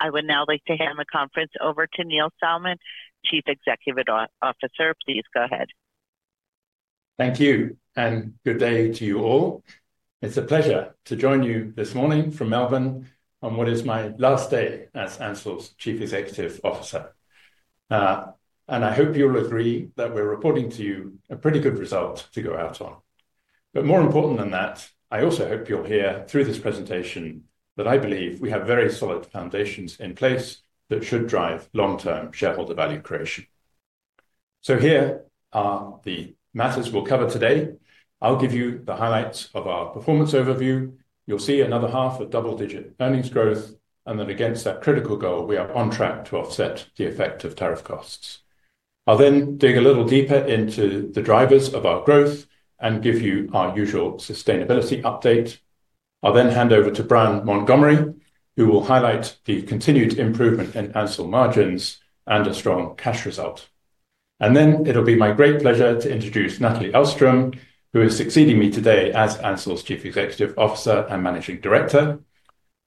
I would now like to hand the conference over to Neil Salmon, Chief Executive Officer. Please go ahead. Thank you, and good day to you all. It's a pleasure to join you this morning from Melbourne on what is my last day as Ansell's Chief Executive Officer. And I hope you'll agree that we're reporting to you a pretty good result to go out on. But more important than that, I also hope you'll hear through this presentation, that I believe we have very solid foundations in place that should drive long-term shareholder value creation. So here are the matters we'll cover today. I'll give you the highlights of our performance overview. You'll see another half of double-digit earnings growth, and that against that critical goal, we are on track to offset the effect of tariff costs. I'll then dig a little deeper into the drivers of our growth and give you our usual sustainability update. I'll then hand over to Brian Montgomery, who will highlight the continued improvement in Ansell margins and a strong cash result. And then it'll be my great pleasure to introduce Nathalie Ahlström, who is succeeding me today as Ansell's Chief Executive Officer and Managing Director.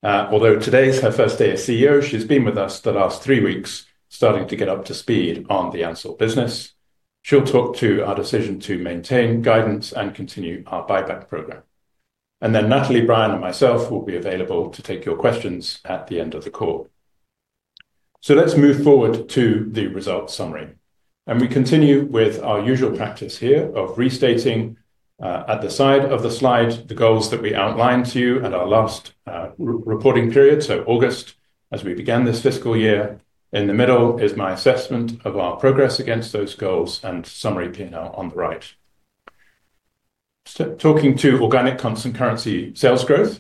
Although today is her first day as CEO, she's been with us the last three weeks, starting to get up to speed on the Ansell business. She'll talk to our decision to maintain guidance and continue our buyback program. And then Nathalie, Brian, and myself will be available to take your questions at the end of the call. So let's move forward to the results summary, and we continue with our usual practice here of restating, at the side of the slide, the goals that we outlined to you at our last, re-reporting period. So August, as we began this fiscal year, in the middle is my assessment of our progress against those goals and summary P&L on the right. Talking to organic constant currency sales growth,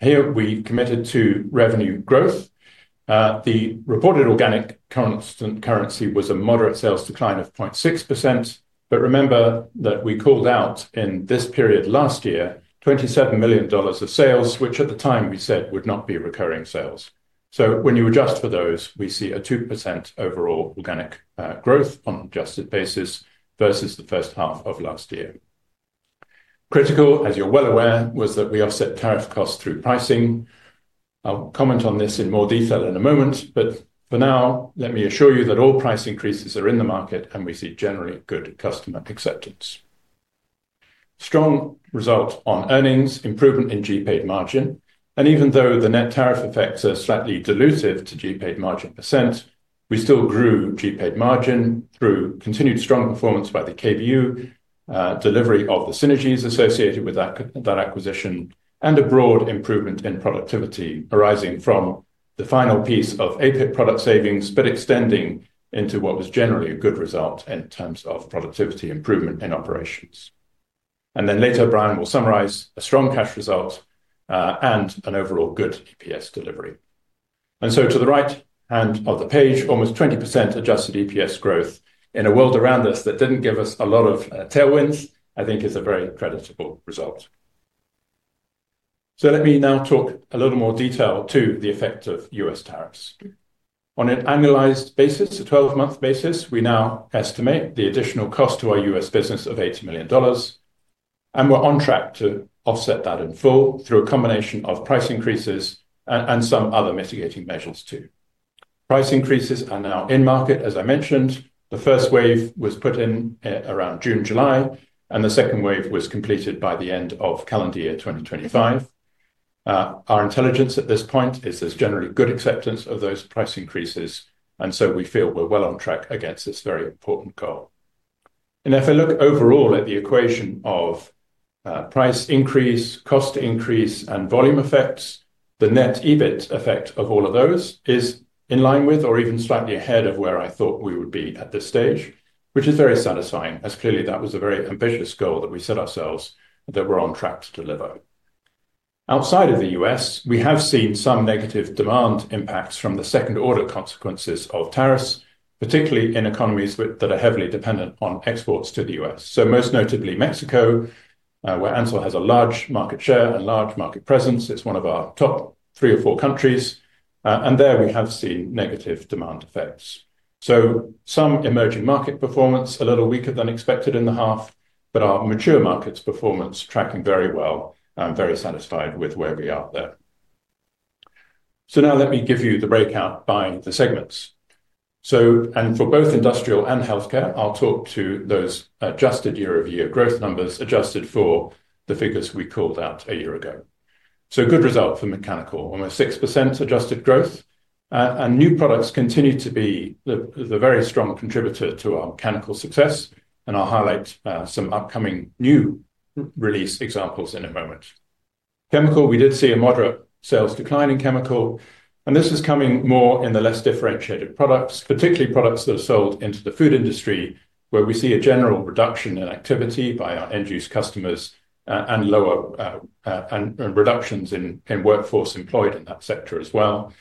here we've committed to revenue growth. The reported organic constant currency was a moderate sales decline of 0.6%, but remember that we called out in this period last year, $27 million of sales, which at the time we said would not be recurring sales. So when you adjust for those, we see a 2% overall organic growth on an adjusted basis versus the first half of last year. Critical, as you're well aware, was that we offset tariff costs through pricing. I'll comment on this in more detail in a moment, but for now, let me assure you that all price increases are in the market, and we see generally good customer acceptance. Strong result on earnings, improvement in GPAD margin, and even though the net tariff effects are slightly dilutive to GPAD margin percent, we still grew GPAD margin through continued strong performance by the KBU, delivery of the synergies associated with that acquisition, and a broad improvement in productivity arising from the final piece of APIP product savings, but extending into what was generally a good result in terms of productivity improvement in operations. And then later, Brian will summarize a strong cash result, and an overall good EPS delivery. And so to the right hand of the page, almost 20% adjusted EPS growth in a world around us that didn't give us a lot of tailwinds, I think is a very creditable result. So let me now talk a little more detail to the effect of U.S. tariffs. On an annualized basis, a 12-month basis, we now estimate the additional cost to our U.S. business of $80 million, and we're on track to offset that in full through a combination of price increases and some other mitigating measures, too. Price increases are now in market. As I mentioned, the first wave was put in around June, July, and the second wave was completed by the end of calendar year 2025. Our intelligence at this point is there's generally good acceptance of those price increases, and so we feel we're well on track against this very important goal. If I look overall at the equation of price increase, cost increase, and volume effects, the net EBIT effect of all of those is in line with or even slightly ahead of where I thought we would be at this stage. Which is very satisfying, as clearly that was a very ambitious goal that we set ourselves, that we're on track to deliver. Outside of the U.S., we have seen some negative demand impacts from the second-order consequences of tariffs, particularly in economies that are heavily dependent on exports to the U.S. Most notably Mexico, where Ansell has a large market share and large market presence. It's one of our top three or four countries, and there we have seen negative demand effects. So some emerging market performance, a little weaker than expected in the half, but our mature markets performance tracking very well. I'm very satisfied with where we are there. So now let me give you the breakout by the segments. So, and for both industrial and healthcare, I'll talk to those adjusted year-over-year growth numbers, adjusted for the figures we called out a year ago. So a good result for mechanical, almost 6% adjusted growth, and new products continue to be the very strong contributor to our mechanical success, and I'll highlight some upcoming new release examples in a moment. Chemical, we did see a moderate sales decline in chemical, and this is coming more in the less differentiated products, particularly products that are sold into the food industry, where we see a general reduction in activity by our end-use customers, and lower, and reductions in workforce employed in that sector as well.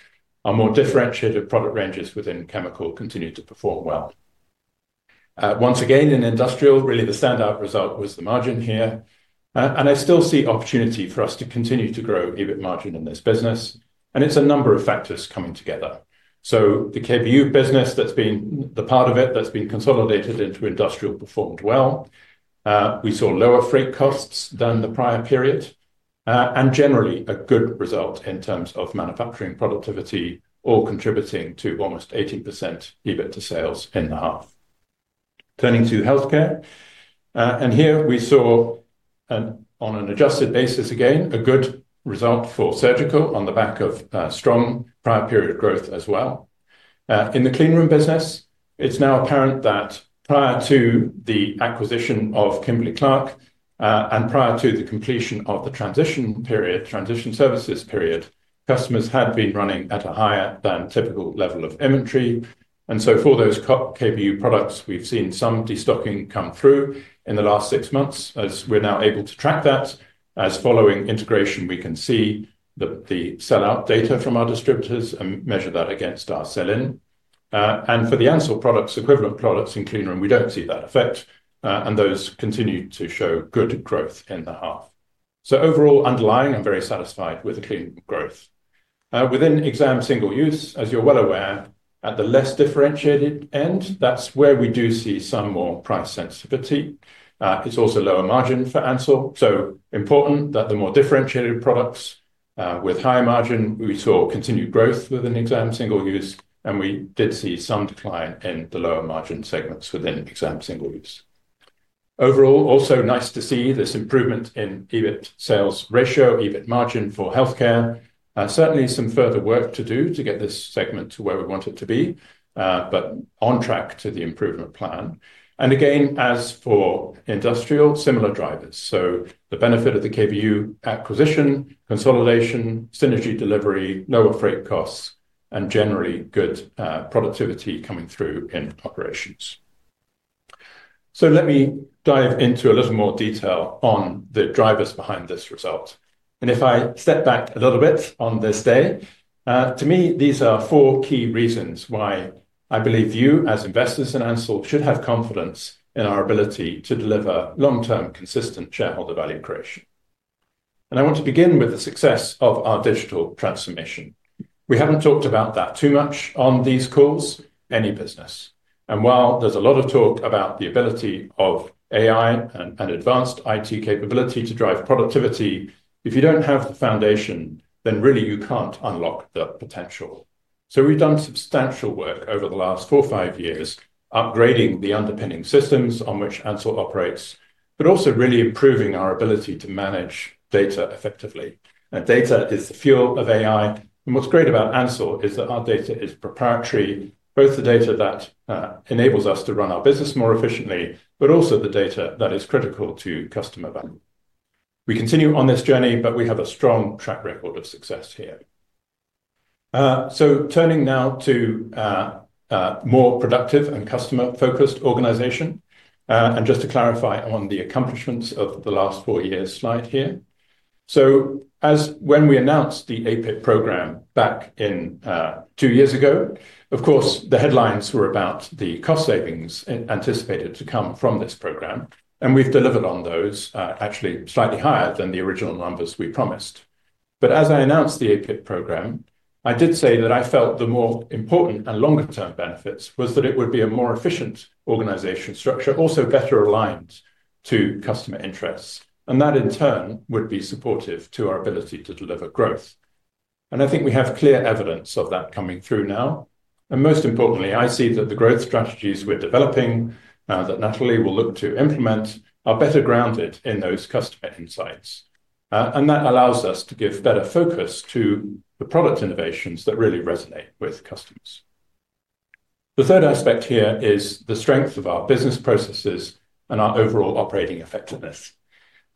Our more differentiated product ranges within chemical continue to perform well. Once again, in industrial, really the standout result was the margin here, and I still see opportunity for us to continue to grow EBIT margin in this business, and it's a number of factors coming together. So the KBU business, that's been the part of it that's been consolidated into industrial performed well. We saw lower freight costs than the prior period, and generally a good result in terms of manufacturing productivity, all contributing to almost 80% EBIT to sales in the half. Turning to healthcare, and here we saw, on an adjusted basis, again, a good result for surgical on the back of, strong prior period of growth as well. In the cleanroom business, it's now apparent that prior to the acquisition of Kimberly-Clark, and prior to the completion of the transition period, transition services period, customers had been running at a higher-than-typical level of inventory. And so for those KBU products, we've seen some destocking come through in the last six months, as we're now able to track that. As following integration, we can see the sell-out data from our distributors and measure that against our sell-in. And for the Ansell products, equivalent products in cleanroom, we don't see that effect, and those continue to show good growth in the half. So overall, underlying, I'm very satisfied with the clean growth. Within Exam/Single Use, as you're well aware, at the less differentiated end, that's where we do see some more price sensitivity. It's also lower margin for Ansell. So important that the more differentiated products, with high margin, we saw continued growth within Exam/Single Use, and we did see some decline in the lower margin segments within Exam/Single Use. Overall, also nice to see this improvement in EBIT sales ratio, EBIT margin for healthcare. Certainly some further work to do to get this segment to where we want it to be, but on track to the improvement plan. And again, as for industrial, similar drivers, so the benefit of the KBU acquisition, consolidation, synergy delivery, lower freight costs, and generally good productivity coming through in operations. So let me dive into a little more detail on the drivers behind this result. And if I step back a little bit on this day, to me, these are four key reasons why I believe you, as investors in Ansell, should have confidence in our ability to deliver long-term, consistent shareholder value creation. And I want to begin with the success of our digital transformation. We haven't talked about that too much on these calls, any business. And while there's a lot of talk about the ability of AI and advanced IT capability to drive productivity, if you don't have the foundation, then really you can't unlock the potential. So we've done substantial work over the last four or five years, upgrading the underpinning systems on which Ansell operates, but also really improving our ability to manage data effectively. And data is the fuel of AI, and what's great about Ansell is that our data is proprietary, both the data that enables us to run our business more efficiently, but also the data that is critical to customer value. We continue on this journey, but we have a strong track record of success here. So turning now to a more productive and customer-focused organization. And just to clarify on the accomplishments of the last four years slide here. So as when we announced the APIP program back in two years ago, of course, the headlines were about the cost savings anticipated to come from this program, and we've delivered on those, actually, slightly higher than the original numbers we promised. But as I announced the APIP program, I did say that I felt the more important and longer-term benefits was that it would be a more efficient organizational structure, also better aligned to customer interests, and that, in turn, would be supportive to our ability to deliver growth. I think we have clear evidence of that coming through now. And most importantly, I see that the growth strategies we're developing, that Nathalie will look to implement, are better grounded in those customer insights. That allows us to give better focus to the product innovations that really resonate with customers. The third aspect here is the strength of our business processes and our overall operating effectiveness.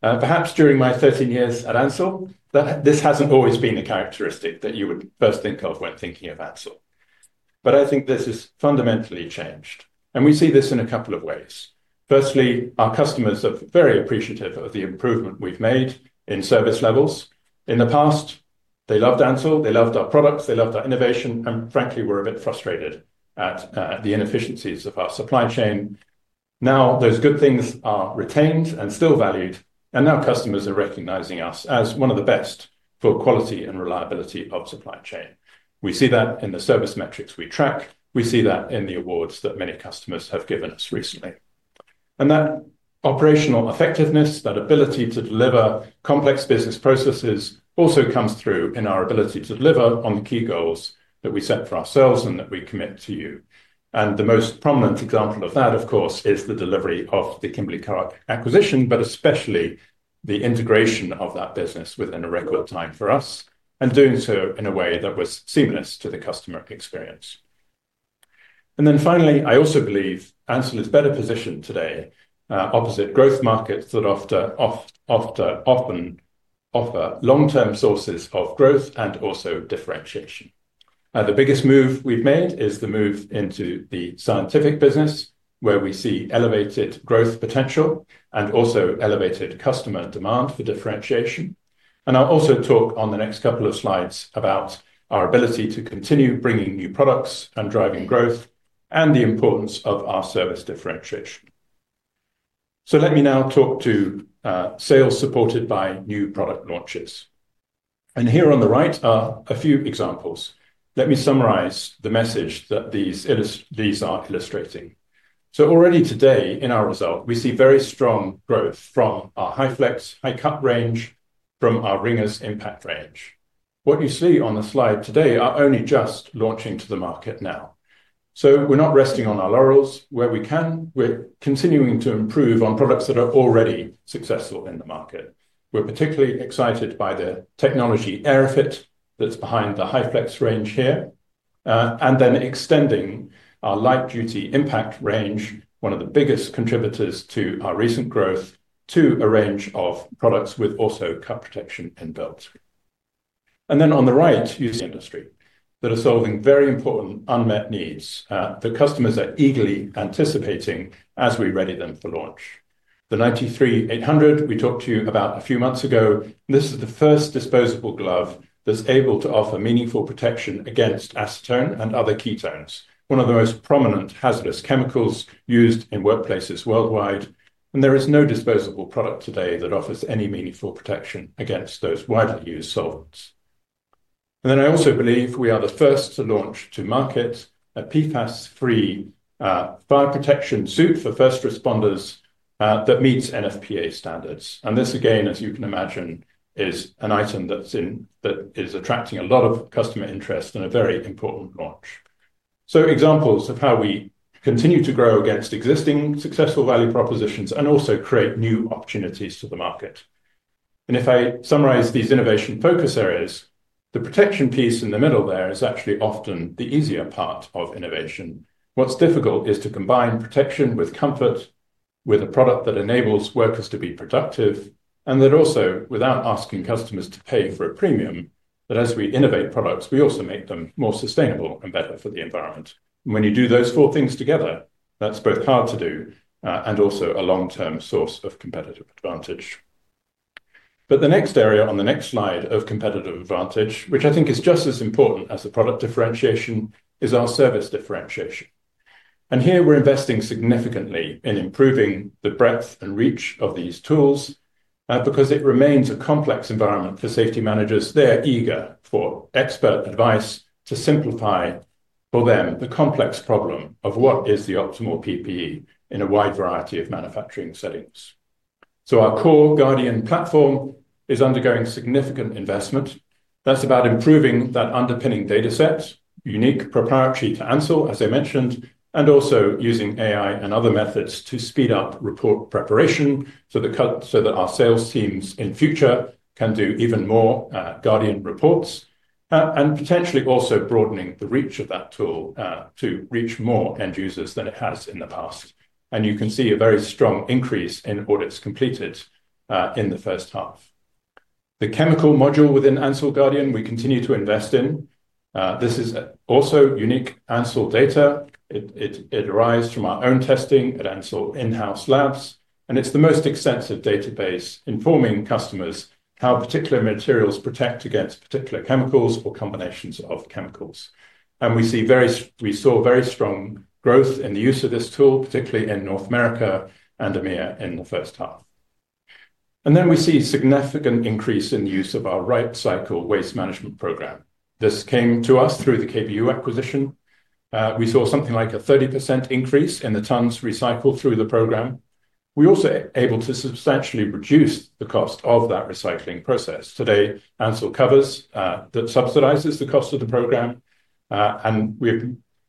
Perhaps during my 13 years at Ansell, this hasn't always been a characteristic that you would first think of when thinking of Ansell, but I think this has fundamentally changed, and we see this in a couple of ways. Firstly, our customers are very appreciative of the improvement we've made in service levels. In the past, they loved Ansell, they loved our products, they loved our innovation, and frankly, were a bit frustrated at the inefficiencies of our supply chain. Now, those good things are retained and still valued, and now customers are recognizing us as one of the best for quality and reliability of supply chain. We see that in the service metrics we track. We see that in the awards that many customers have given us recently. That operational effectiveness, that ability to deliver complex business processes, also comes through in our ability to deliver on the key goals that we set for ourselves and that we commit to you. The most prominent example of that, of course, is the delivery of the Kimberly-Clark acquisition, but especially the integration of that business within a regular time for us, and doing so in a way that was seamless to the customer experience. And then finally, I also believe Ansell is better positioned today opposite growth markets that often offer long-term sources of growth and also differentiation. The biggest move we've made is the move into the scientific business, where we see elevated growth potential and also elevated customer demand for differentiation. And I'll also talk on the next couple of slides about our ability to continue bringing new products and driving growth, and the importance of our service differentiation. So let me now talk to sales supported by new product launches. And here on the right are a few examples. Let me summarize the message that these are illustrating. So already today, in our result, we see very strong growth from our HyFlex, high cut range, from our Ringers Impact range. What you see on the slide today are only just launching to the market now. So we're not resting on our laurels. Where we can, we're continuing to improve on products that are already successful in the market. We're particularly excited by the technology AEROFIT that's behind the HyFlex range here, and then extending our light duty impact range, one of the biggest contributors to our recent growth, to a range of products with also cut protection built in. And then on the right, new industry that are solving very important unmet needs, that customers are eagerly anticipating as we ready them for launch. The 93-800, we talked to you about a few months ago. This is the first disposable glove that's able to offer meaningful protection against acetone and other ketones, one of the most prominent hazardous chemicals used in workplaces worldwide, and there is no disposable product today that offers any meaningful protection against those widely used solvents. Then I also believe we are the first to launch to market a PFAS-free fire protection suit for first responders that meets NFPA standards. And this, again, as you can imagine, is an item that is attracting a lot of customer interest and a very important launch. So examples of how we continue to grow against existing successful value propositions and also create new opportunities to the market. And if I summarize these innovation focus areas, the protection piece in the middle there is actually often the easier part of innovation. What's difficult is to combine protection with comfort, with a product that enables workers to be productive, and that also, without asking customers to pay for a premium, that as we innovate products, we also make them more sustainable and better for the environment. When you do those four things together, that's both hard to do, and also a long-term source of competitive advantage. But the next area on the next slide of competitive advantage, which I think is just as important as the product differentiation, is our service differentiation. And here we're investing significantly in improving the breadth and reach of these tools, because it remains a complex environment for safety managers. They're eager for expert advice to simplify for them the complex problem of what is the optimal PPE in a wide variety of manufacturing settings. So our core Guardian platform is undergoing significant investment. That's about improving that underpinning data set, unique, proprietary to Ansell, as I mentioned, and also using AI and other methods to speed up report preparation, so that our sales teams in future can do even more Guardian reports, and potentially also broadening the reach of that tool to reach more end users than it has in the past. And you can see a very strong increase in audits completed in the first half. The chemical module within Ansell Guardian, we continue to invest in. This is also unique Ansell data. It derives from our own testing at Ansell in-house labs, and it's the most extensive database informing customers how particular materials protect against particular chemicals or combinations of chemicals. We saw very strong growth in the use of this tool, particularly in North America and EMEA in the first half. Then we see significant increase in use of our RightCycle waste management program. This came to us through the KBU acquisition. We saw something like a 30% increase in the tons recycled through the program. We're also able to substantially reduce the cost of that recycling process. Today, Ansell covers that subsidizes the cost of the program, and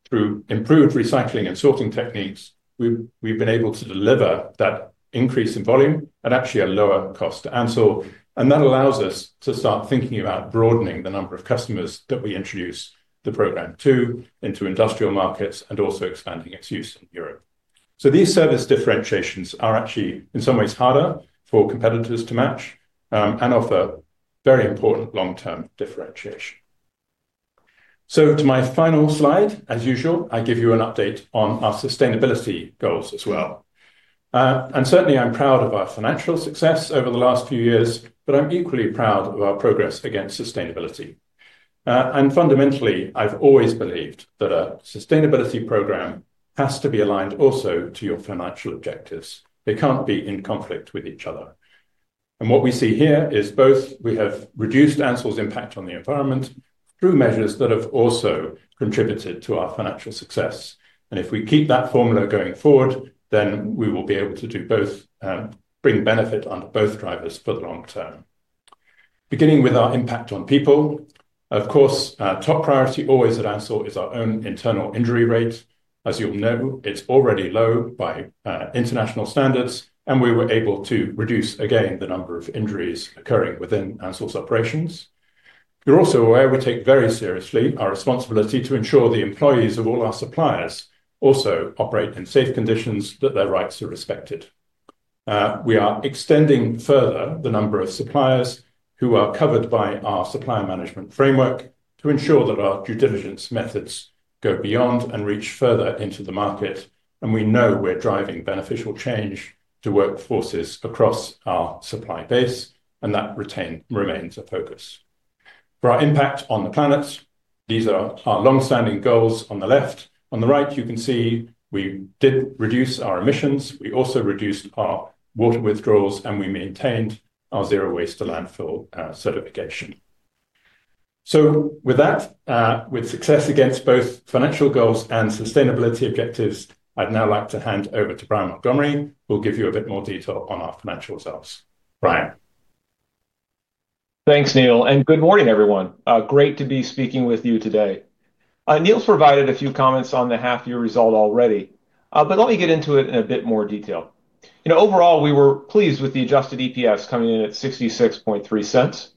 through improved recycling and sorting techniques, we've been able to deliver that increase in volume at actually a lower cost to Ansell. That allows us to start thinking about broadening the number of customers that we introduce the program to, into industrial markets and also expanding its use in Europe. So these service differentiations are actually, in some ways, harder for competitors to match, and offer very important long-term differentiation. So to my final slide, as usual, I give you an update on our sustainability goals as well. And certainly I'm proud of our financial success over the last few years, but I'm equally proud of our progress against sustainability. And fundamentally, I've always believed that a sustainability program has to be aligned also to your financial objectives. They can't be in conflict with each other. And what we see here is both we have reduced Ansell's impact on the environment through measures that have also contributed to our financial success. And if we keep that formula going forward, then we will be able to do both, bring benefit on both drivers for the long term. Beginning with our impact on people, of course, top priority always at Ansell is our own internal injury rate. As you'll know, it's already low by international standards, and we were able to reduce again the number of injuries occurring within Ansell's operations. You're also aware we take very seriously our responsibility to ensure the employees of all our suppliers also operate in safe conditions, that their rights are respected. We are extending further the number of suppliers who are covered by our supplier management framework to ensure that our due diligence methods go beyond and reach further into the market, and we know we're driving beneficial change to workforces across our supply base, and that remains a focus. For our impact on the planet, these are our long-standing goals on the left. On the right, you can see we did reduce our emissions. We also reduced our water withdrawals, and we maintained our zero waste to landfill certification. So with that, with success against both financial goals and sustainability objectives, I'd now like to hand over to Brian Montgomery, who'll give you a bit more detail on our financial results. Brian?... Thanks, Neil, and good morning, everyone. Great to be speaking with you today. Neil's provided a few comments on the half-year result already, but let me get into it in a bit more detail. You know, overall, we were pleased with the adjusted EPS coming in at $66.3.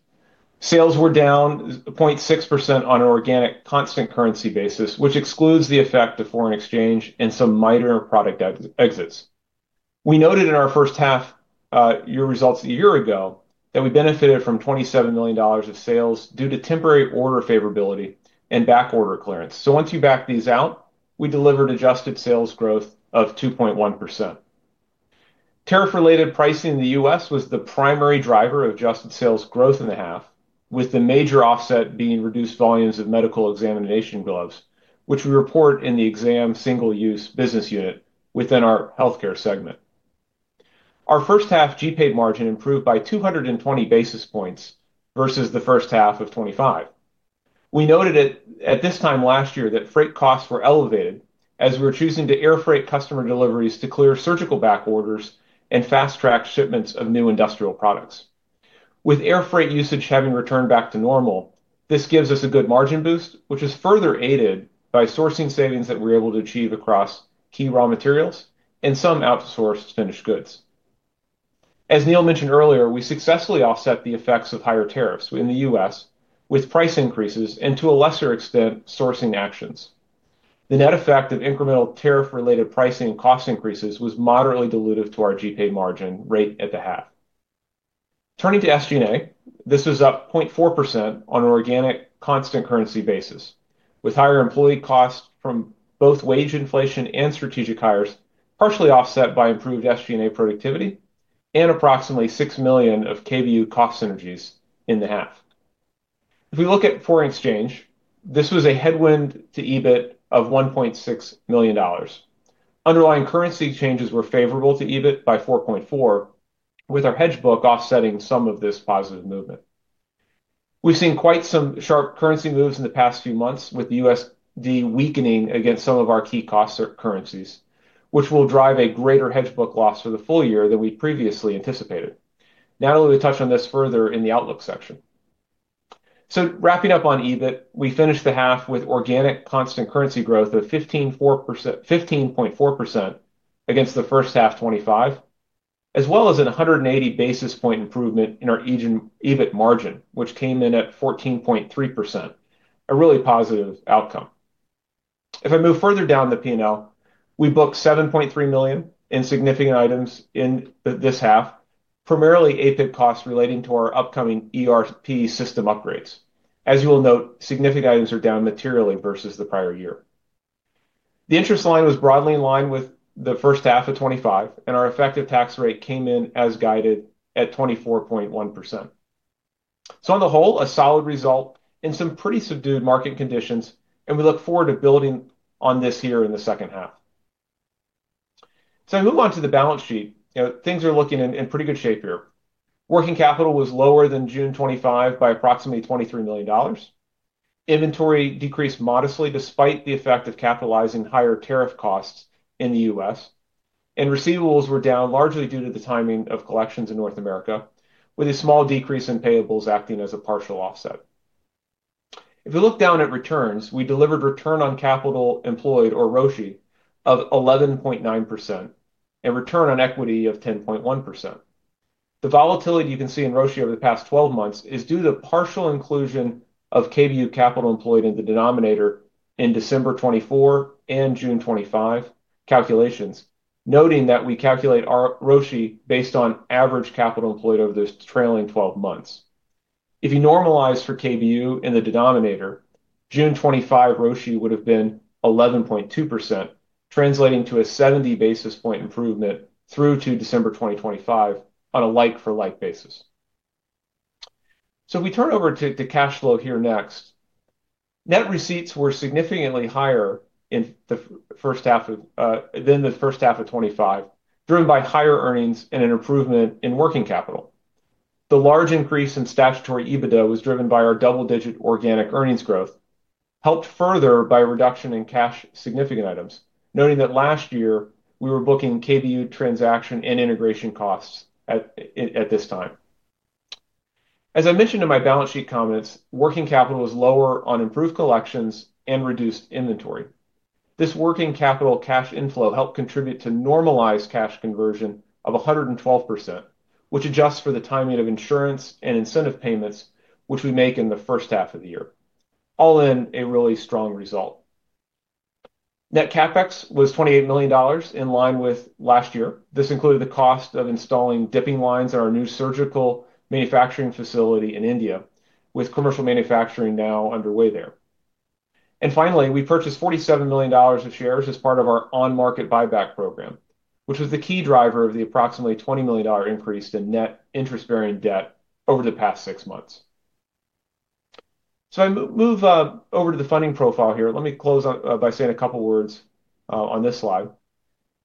Sales were down 0.6% on an organic constant currency basis, which excludes the effect of foreign exchange and some minor product exits. We noted in our first half year results a year ago, that we benefited from $27 million of sales due to temporary order favorability and back order clearance. So once you back these out, we delivered adjusted sales growth of 2.1%. Tariff-related pricing in the U.S. was the primary driver of adjusted sales growth in the half, with the major offset being reduced volumes of medical examination gloves, which we report in the exam single-use business unit within our healthcare segment. Our first half GPAT margin improved by 220 basis points versus the first half of 2025. We noted it at this time last year that freight costs were elevated as we were choosing to air freight customer deliveries to clear surgical back orders and fast-track shipments of new industrial products. With air freight usage having returned back to normal, this gives us a good margin boost, which is further aided by sourcing savings that we're able to achieve across key raw materials and some outsourced finished goods. As Neil mentioned earlier, we successfully offset the effects of higher tariffs in the U.S. with price increases and, to a lesser extent, sourcing actions. The net effect of incremental tariff-related pricing and cost increases was moderately dilutive to our GPAT margin rate at the half. Turning to SG&A, this was up 0.4% on an organic, constant currency basis, with higher employee costs from both wage inflation and strategic hires, partially offset by improved SG&A productivity and approximately $6 million of KBU cost synergies in the half. If we look at foreign exchange, this was a headwind to EBIT of $1.6 million. Underlying currency changes were favorable to EBIT by $4.4 million, with our hedge book offsetting some of this positive movement. We've seen quite some sharp currency moves in the past few months, with the USD weakening against some of our key cost currencies, which will drive a greater hedge book loss for the full year than we previously anticipated. Nathalie will touch on this further in the outlook section. So wrapping up on EBIT, we finished the half with organic constant currency growth of 15.4% against the first half 2025, as well as a 180 basis point improvement in our EBIT margin, which came in at 14.3%. A really positive outcome. If I move further down the P&L, we booked $7.3 million in significant items in this half, primarily APIP costs relating to our upcoming ERP system upgrades. As you will note, significant items are down materially versus the prior year. The interest line was broadly in line with the first half of 2025, and our effective tax rate came in as guided at 24.1%. So on the whole, a solid result in some pretty subdued market conditions, and we look forward to building on this here in the second half. So I move on to the balance sheet. You know, things are looking in pretty good shape here. Working capital was lower than June 2025 by approximately $23 million. Inventory decreased modestly despite the effect of capitalizing higher tariff costs in the U.S., and receivables were down largely due to the timing of collections in North America, with a small decrease in payables acting as a partial offset. If you look down at returns, we delivered return on capital employed, or ROCE, of 11.9% and return on equity of 10.1%. The volatility you can see in ROCE over the past 12 months is due to the partial inclusion of KBU capital employed in the denominator in December 2024 and June 2025 calculations, noting that we calculate our ROCE based on average capital employed over those trailing 12 months. If you normalize for KBU in the denominator, June 2025 ROCE would have been 11.2%, translating to a 70 basis point improvement through to December 2025 on a like-for-like basis. So we turn over to, to cash flow here next. Net receipts were significantly higher in the first half of, than the first half of 2025, driven by higher earnings and an improvement in working capital. The large increase in statutory EBITDA was driven by our double-digit organic earnings growth, helped further by a reduction in cash significant items, noting that last year, we were booking KBU transaction and integration costs at this time. As I mentioned in my balance sheet comments, working capital was lower on improved collections and reduced inventory. This working capital cash inflow helped contribute to normalized cash conversion of 112%, which adjusts for the timing of insurance and incentive payments, which we make in the first half of the year. All in, a really strong result. Net CapEx was $28 million, in line with last year. This included the cost of installing dipping lines at our new surgical manufacturing facility in India, with commercial manufacturing now underway there. Finally, we purchased $47 million of shares as part of our on-market buyback program, which was the key driver of the approximately $20 million increase in net interest-bearing debt over the past six months. So I move over to the funding profile here. Let me close by saying a couple words on this slide.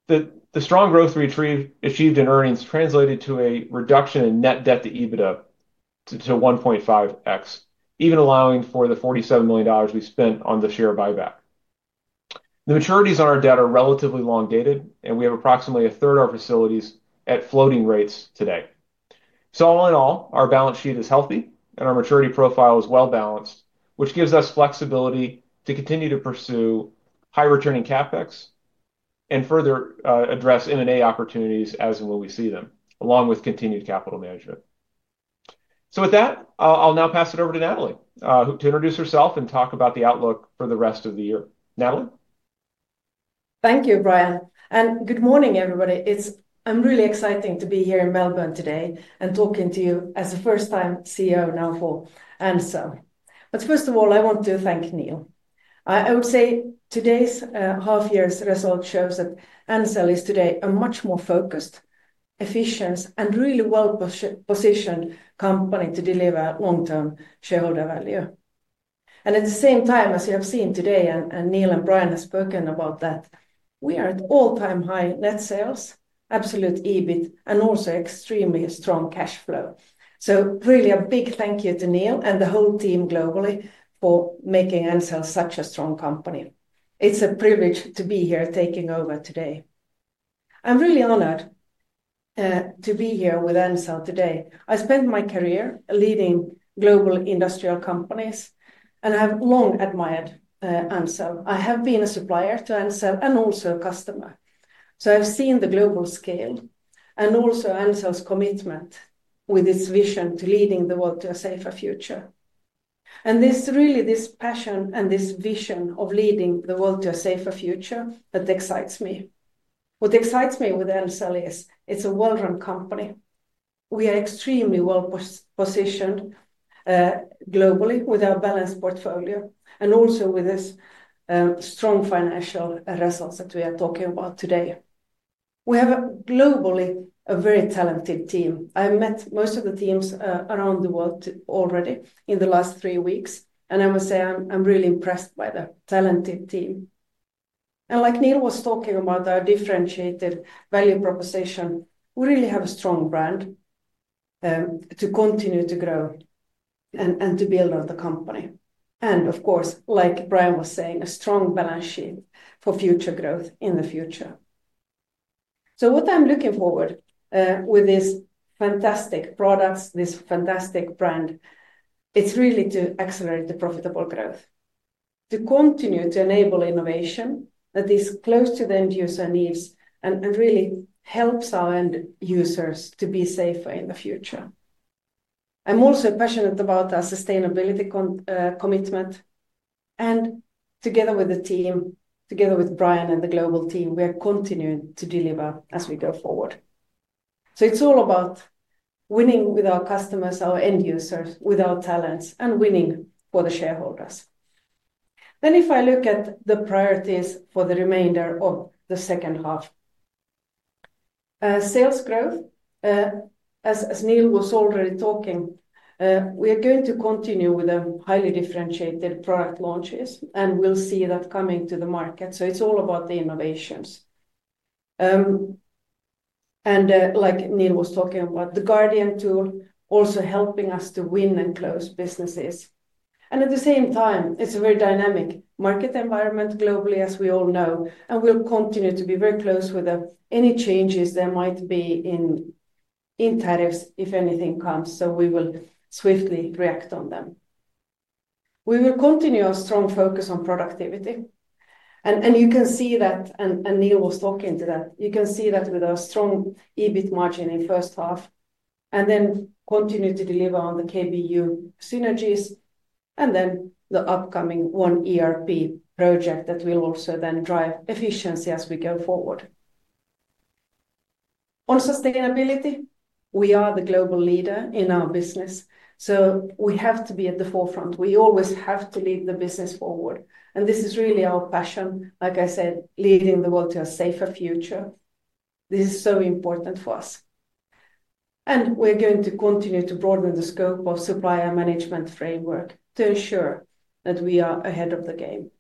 The strong growth achieved in earnings translated to a reduction in net debt to EBITDA to 1.5x, even allowing for the $47 million we spent on the share buyback. The maturities on our debt are relatively long dated, and we have approximately a third of our facilities at floating rates today. So all in all, our balance sheet is healthy and our maturity profile is well-balanced, which gives us flexibility to continue to pursue high returning CapEx and further address M&A opportunities as and when we see them, along with continued capital management. So with that, I'll now pass it over to Nathalie to introduce herself and talk about the outlook for the rest of the year. Nathalie? Thank you, Brian, and good morning, everybody. It's—I'm really exciting to be here in Melbourne today and talking to you as a first-time CEO now for Ansell. But first of all, I want to thank Neil. I would say today's half year's result shows that Ansell is today a much more focused, efficient, and really well positioned company to deliver long-term shareholder value. And at the same time, as you have seen today, and Neil and Brian has spoken about that, we are at all-time high net sales, absolute EBIT, and also extremely strong cash flow. So really, a big thank you to Neil and the whole team globally for making Ansell such a strong company. It's a privilege to be here taking over today. I'm really honored to be here with Ansell today. I spent my career leading global industrial companies, and I have long admired Ansell. I have been a supplier to Ansell and also a customer, so I've seen the global scale and also Ansell's commitment with its vision to leading the world to a safer future. And this really, this passion and this vision of leading the world to a safer future, that excites me. What excites me with Ansell is it's a well-run company. We are extremely well positioned globally with our balanced portfolio and also with this strong financial results that we are talking about today. We have a globally, a very talented team. I met most of the teams around the world already in the last three weeks, and I must say I'm really impressed by the talented team. And like Neil was talking about our differentiated value proposition, we really have a strong brand to continue to grow and, and to build on the company. And of course, like Brian was saying, a strong balance sheet for future growth in the future. So what I'm looking forward with these fantastic products, this fantastic brand, it's really to accelerate the profitable growth, to continue to enable innovation that is close to the end user needs and, and really helps our end users to be safer in the future. I'm also passionate about our sustainability commitment, and together with the team, together with Brian and the global team, we are continuing to deliver as we go forward. So it's all about winning with our customers, our end users, with our talents, and winning for the shareholders. Then, if I look at the priorities for the remainder of the second half. Sales growth, as Neil was already talking, we are going to continue with a highly differentiated product launches, and we'll see that coming to the market. So it's all about the innovations. And, like Neil was talking about, the Guardian tool also helping us to win and close businesses. And at the same time, it's a very dynamic market environment globally, as we all know, and we'll continue to be very close with any changes there might be in tariffs, if anything comes, so we will swiftly react on them. We will continue our strong focus on productivity, and you can see that, and Neil was talking to that. You can see that with our strong EBIT margin in first half, and then continue to deliver on the KBU synergies, and then the upcoming One ERP project that will also then drive efficiency as we go forward. On sustainability, we are the global leader in our business, so we have to be at the forefront. We always have to lead the business forward, and this is really our passion. Like I said, leading the world to a safer future, this is so important for us. And we're going to continue to broaden the scope of supplier management framework to ensure that we are ahead of the game.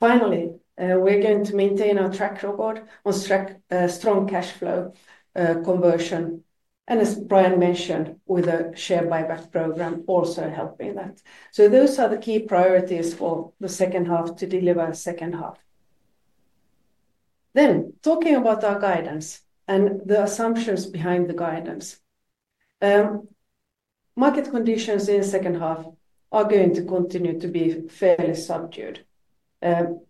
Finally, we're going to maintain our track record on track, strong cash flow conversion, and as Brian mentioned, with a share buyback program also helping that. So those are the key priorities for the second half to deliver a second half. Then, talking about our guidance and the assumptions behind the guidance. Market conditions in the second half are going to continue to be fairly subdued, and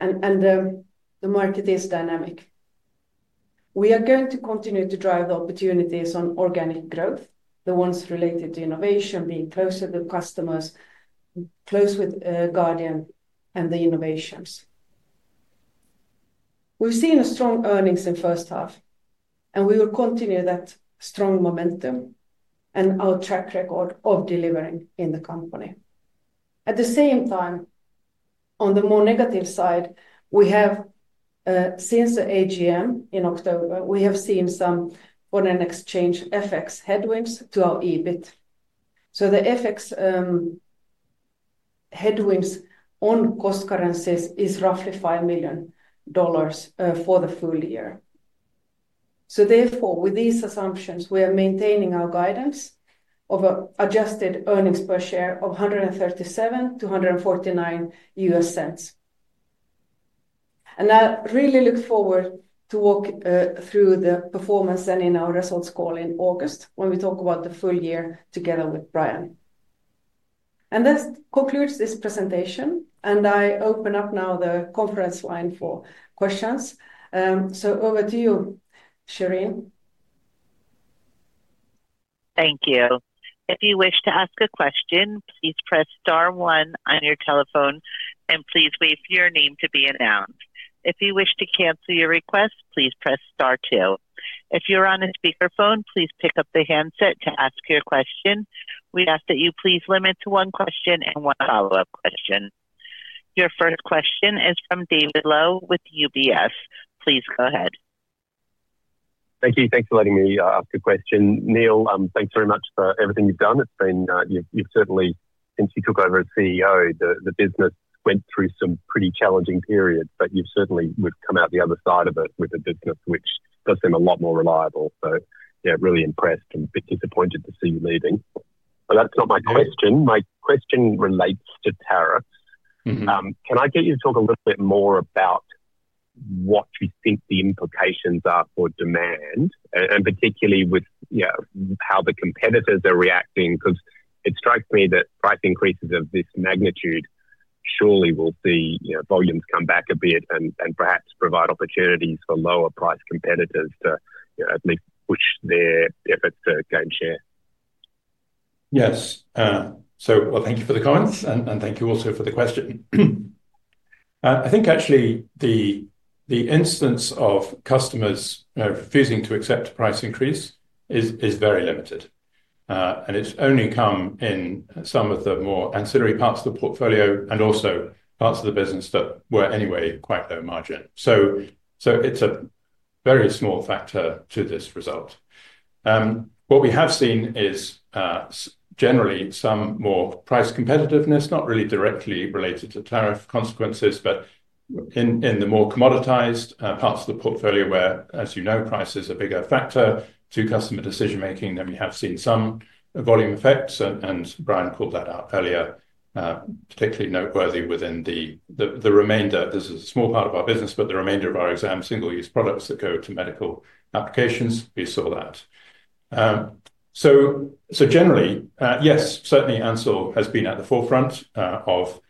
the market is dynamic. We are going to continue to drive the opportunities on organic growth, the ones related to innovation, being closer to customers, close with Guardian and the innovations. We've seen a strong earnings in first half, and we will continue that strong momentum and our track record of delivering in the company. At the same time, on the more negative side, we have. Since the AGM in October, we have seen some foreign exchange FX headwinds to our EBIT. So the FX headwinds on cost currencies is roughly $5 million for the full year. So therefore, with these assumptions, we are maintaining our guidance of an adjusted earnings per share of $1.37-$1.49. And I really look forward to walk through the performance and in our results call in August, when we talk about the full year together with Brian. And that concludes this presentation, and I open up now the conference line for questions. So over to you, Shireen. Thank you. If you wish to ask a question, please press star one on your telephone and please wait for your name to be announced. If you wish to cancel your request, please press star two. If you're on a speakerphone, please pick up the handset to ask your question. We ask that you please limit to one question and one follow-up question. Your first question is from David Low with UBS. Please go ahead. Thank you. Thanks for letting me ask a question. Neil, thanks very much for everything you've done. It's been, you've certainly since you took over as CEO, the business went through some pretty challenging periods, but you certainly would come out the other side of it with a business which does seem a lot more reliable. So, yeah, really impressed and bit disappointed to see you leaving, but that's not my question. My question relates to tariffs. Mm-hmm. Can I get you to talk a little bit more about what you think the implications are for demand, and particularly with, you know, how the competitors are reacting? 'Cause it strikes me that price increases of this magnitude surely will see, you know, volumes come back a bit, and perhaps provide opportunities for lower price competitors to, you know, at least push their efforts to gain share. Yes. So well, thank you for the comments, and, and thank you also for the question. I think actually the, the instance of customers refusing to accept a price increase is, is very limited, and it's only come in some of the more ancillary parts of the portfolio and also parts of the business that were anyway quite low margin. So, so it's a very small factor to this result. What we have seen is generally some more price competitiveness, not really directly related to tariff consequences, but in, in the more commoditized parts of the portfolio, where, as you know, price is a bigger factor to customer decision-making, then we have seen some volume effects, and, and Brian called that out earlier, particularly noteworthy within the, the, the remainder. This is a small part of our business, but the remainder of our exam, single-use products that go to medical applications, we saw that. So generally, yes, certainly Ansell has been at the forefront of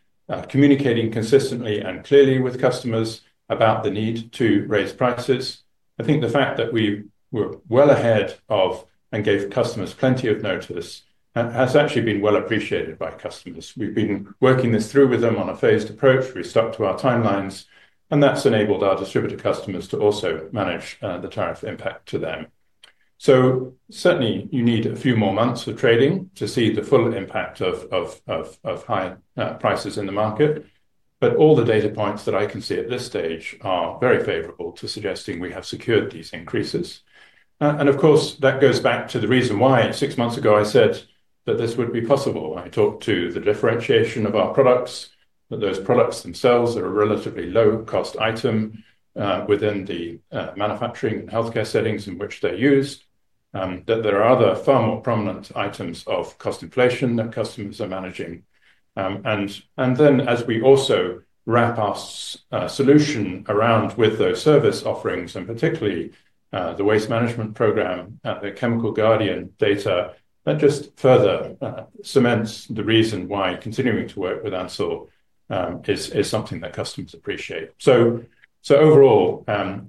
communicating consistently and clearly with customers about the need to raise prices. I think the fact that we were well ahead of, and gave customers plenty of notice, has actually been well appreciated by customers. We've been working this through with them on a phased approach. We stuck to our timelines, and that's enabled our distributor customers to also manage the tariff impact to them. So certainly you need a few more months of trading to see the full impact of higher prices in the market. But all the data points that I can see at this stage are very favorable to suggesting we have secured these increases. And of course, that goes back to the reason why six months ago I said that this would be possible. I talked to the differentiation of our products, that those products themselves are a relatively low-cost item within the manufacturing and healthcare settings in which they're used. That there are other far more prominent items of cost inflation that customers are managing. And then as we also wrap our solution around with those service offerings, and particularly the waste management program and the Ansell Guardian data, that just further cements the reason why continuing to work with Ansell is something that customers appreciate. So overall,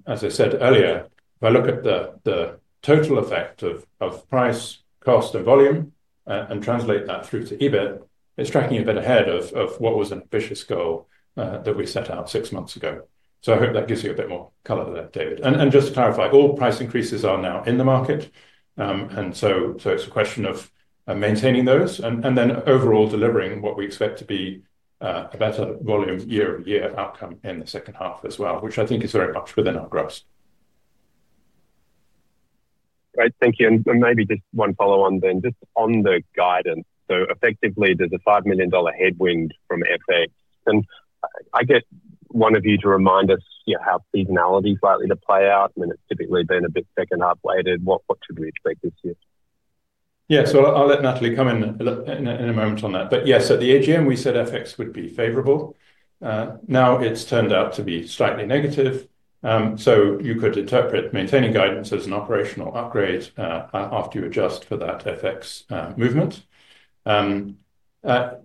as I said earlier, if I look at the total effect of price, cost, and volume, and translate that through to EBIT, it's tracking a bit ahead of what was an ambitious goal that we set out six months ago. So I hope that gives you a bit more color there, David. And just to clarify, all price increases are now in the market. And so it's a question of maintaining those and then overall delivering what we expect to be a better volume year-over-year outcome in the second half as well, which I think is very much within our grasp. Great, thank you. Maybe just one follow-on then, just on the guidance. So effectively, there's a $5 million headwind from FX, and I get one of you to remind us, you know, how seasonality is likely to play out, and it's typically been a bit second-half weighted. What should we expect this year? Yeah. So I'll let Nathalie come in in a moment on that. But yes, at the AGM, we said FX would be favorable. Now it's turned out to be slightly negative. So you could interpret maintaining guidance as an operational upgrade after you adjust for that FX movement.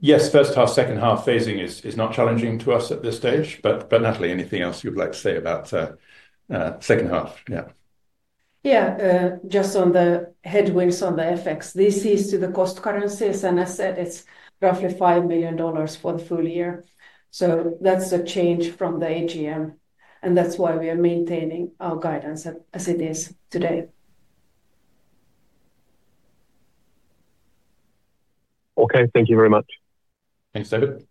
Yes, first half, second half phasing is not challenging to us at this stage. But Nathalie, anything else you'd like to say about second half? Yeah. Yeah. Just on the headwinds on the FX, this is to the cost currencies, and I said it's roughly $5 million for the full year. So that's a change from the AGM, and that's why we are maintaining our guidance as it is today. Okay. Thank you very much. Thanks, David.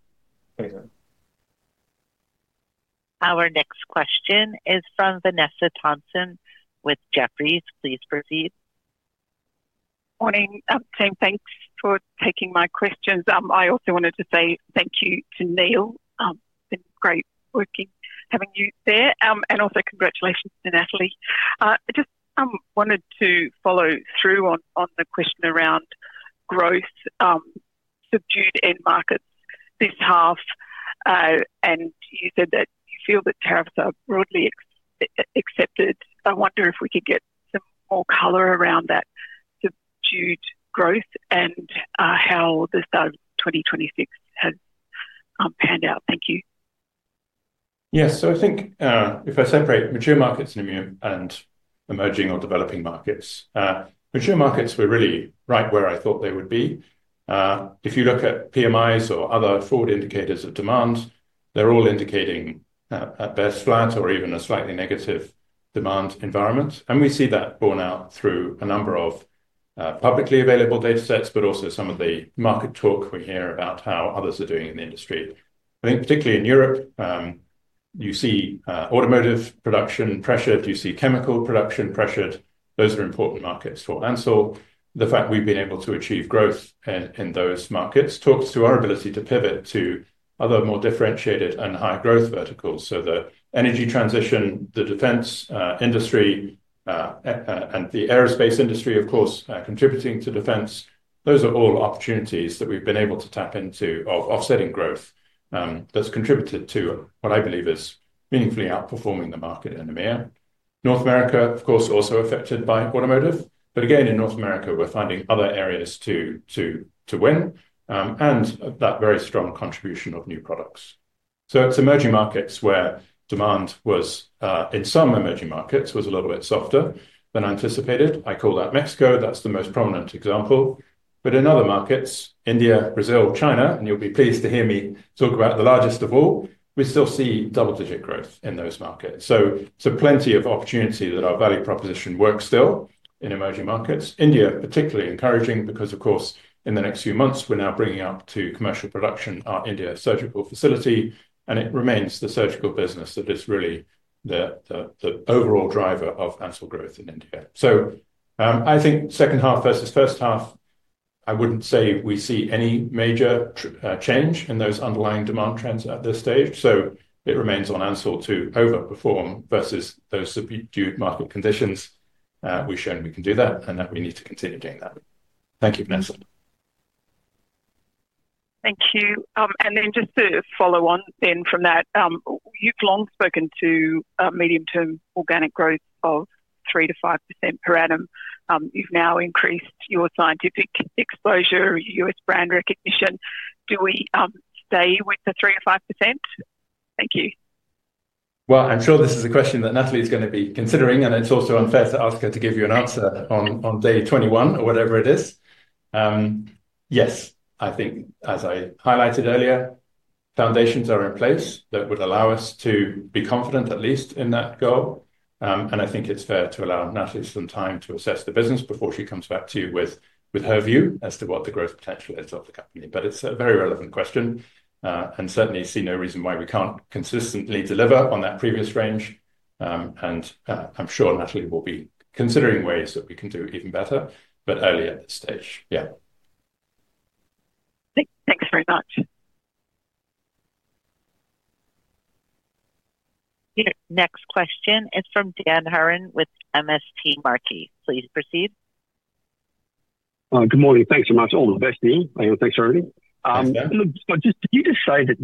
Our next question is from Vanessa Thomson with Jefferies. Please proceed.... Morning, team, thanks for taking my questions. I also wanted to say thank you to Neil. It's been great working, having you there. And also congratulations to Nathalie. Just wanted to follow through on the question around growth, subdued end markets this half. And you said that you feel that tariffs are broadly excepted. I wonder if we could get some more color around that subdued growth and how the start of 2026 has panned out. Thank you. Yes. So I think, if I separate mature markets in EMEA and emerging or developing markets, mature markets were really right where I thought they would be. If you look at PMIs or other forward indicators of demand, they're all indicating at best, flat or even a slightly negative demand environment. And we see that borne out through a number of publicly available data sets, but also some of the market talk we hear about how others are doing in the industry. I think particularly in Europe, you see automotive production pressured, you see chemical production pressured. Those are important markets for Ansell. The fact we've been able to achieve growth in those markets talks to our ability to pivot to other more differentiated and higher growth verticals. So the energy transition, the defense industry, and the aerospace industry, of course, contributing to defense, those are all opportunities that we've been able to tap into of offsetting growth, that's contributed to what I believe is meaningfully outperforming the market in EMEA. North America, of course, also affected by automotive, but again, in North America, we're finding other areas to win, and that very strong contribution of new products. So it's emerging markets where demand was, in some emerging markets, was a little bit softer than anticipated. I call out Mexico, that's the most prominent example. But in other markets, India, Brazil, China, and you'll be pleased to hear me talk about the largest of all, we still see double-digit growth in those markets. So plenty of opportunity that our value proposition works still in emerging markets. India, particularly encouraging, because, of course, in the next few months, we're now bringing up to commercial production our India surgical facility, and it remains the surgical business that is really the overall driver of Ansell growth in India. So, I think second half versus first half, I wouldn't say we see any major change in those underlying demand trends at this stage, so it remains on Ansell to overperform versus those subdued market conditions. We've shown we can do that and that we need to continue doing that. Thank you, Vanessa. Thank you. And then just to follow on then from that, you've long spoken to medium-term organic growth of 3%-5% per annum. You've now increased your scientific exposure, your brand recognition. Do we stay with the 3%-5%? Thank you. Well, I'm sure this is a question that Nathalie is gonna be considering, and it's also unfair to ask her to give you an answer on day 21 or whatever it is. Yes, I think as I highlighted earlier, foundations are in place that would allow us to be confident, at least, in that goal. And I think it's fair to allow Nathalie some time to assess the business before she comes back to you with her view as to what the growth potential is of the company. But it's a very relevant question, and certainly see no reason why we can't consistently deliver on that previous range. And, I'm sure Nathalie will be considering ways that we can do even better, but early at this stage. Yeah. Thanks very much. Your next question is from Dan Hurren with MST Marquee. Please proceed. Good morning. Thanks so much. All the best to you, and thanks for everything. Thanks, Dan. Look, so did you just say that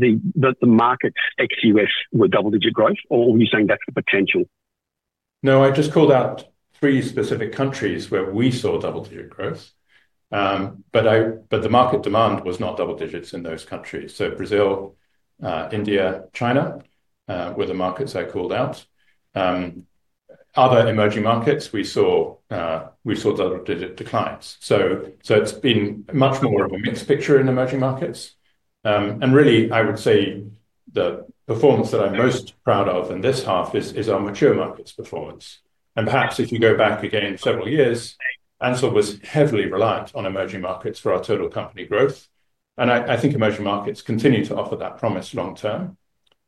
the market ex-U.S. were double-digit growth, or were you saying that's the potential? No, I just called out three specific countries where we saw double-digit growth. But the market demand was not double digits in those countries. So Brazil, India, China were the markets I called out. Other emerging markets, we saw double-digit declines. So it's been much more of a mixed picture in emerging markets. And really, I would say the performance that I'm most proud of in this half is our mature markets performance. And perhaps if you go back again several years, Ansell was heavily reliant on emerging markets for our total company growth, and I think emerging markets continue to offer that promise long term,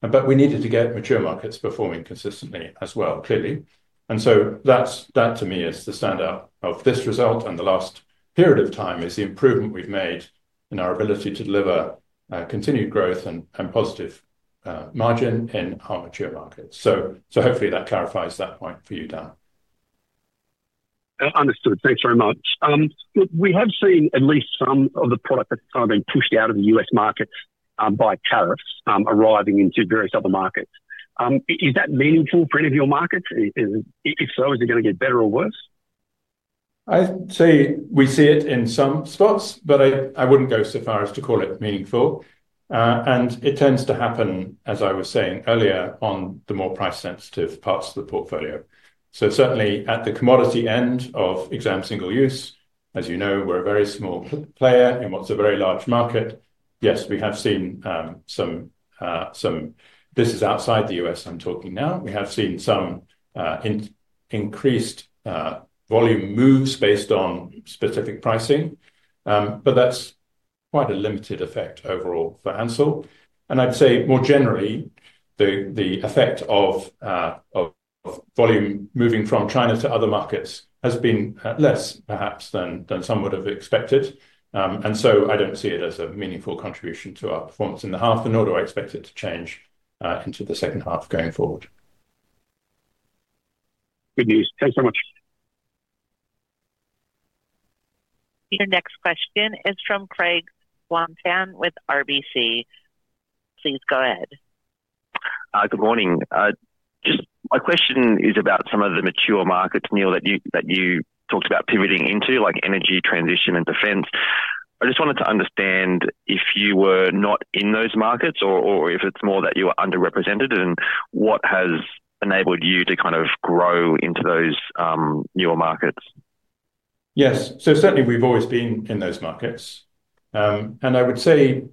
but we needed to get mature markets performing consistently as well, clearly. And so that to me is the standout of this result, and the last period of time is the improvement we've made in our ability to deliver continued growth and positive margin in our mature markets. So hopefully that clarifies that point for you, Dan. Understood. Thanks very much. We have seen at least some of the product that's kind of been pushed out of the U.S. market by tariffs arriving into various other markets. Is that meaningful for any of your markets? If so, is it gonna get better or worse? I'd say we see it in some spots, but I wouldn't go so far as to call it meaningful. And it tends to happen, as I was saying earlier, on the more price-sensitive parts of the portfolio. So certainly at the commodity end of Exam/Single Use, as you know, we're a very small player in what's a very large market. Yes, we have seen some. This is outside the U.S., I'm talking now. We have seen some increased volume moves based on specific pricing. But that's quite a limited effect overall for Ansell. And I'd say more generally, the effect of volume moving from China to other markets has been less perhaps than some would have expected. And so I don't see it as a meaningful contribution to our performance in the half, and nor do I expect it to change into the second half going forward. Good news. Thanks so much. Your next question is from Craig Wong-Pan with RBC. Please go ahead. Good morning. Just my question is about some of the mature markets, Neil, that you, that you talked about pivoting into, like energy transition and defense. I just wanted to understand if you were not in those markets or, or if it's more that you are underrepresented, and what has enabled you to kind of grow into those, newer markets? Yes. So certainly, we've always been in those markets. And I would say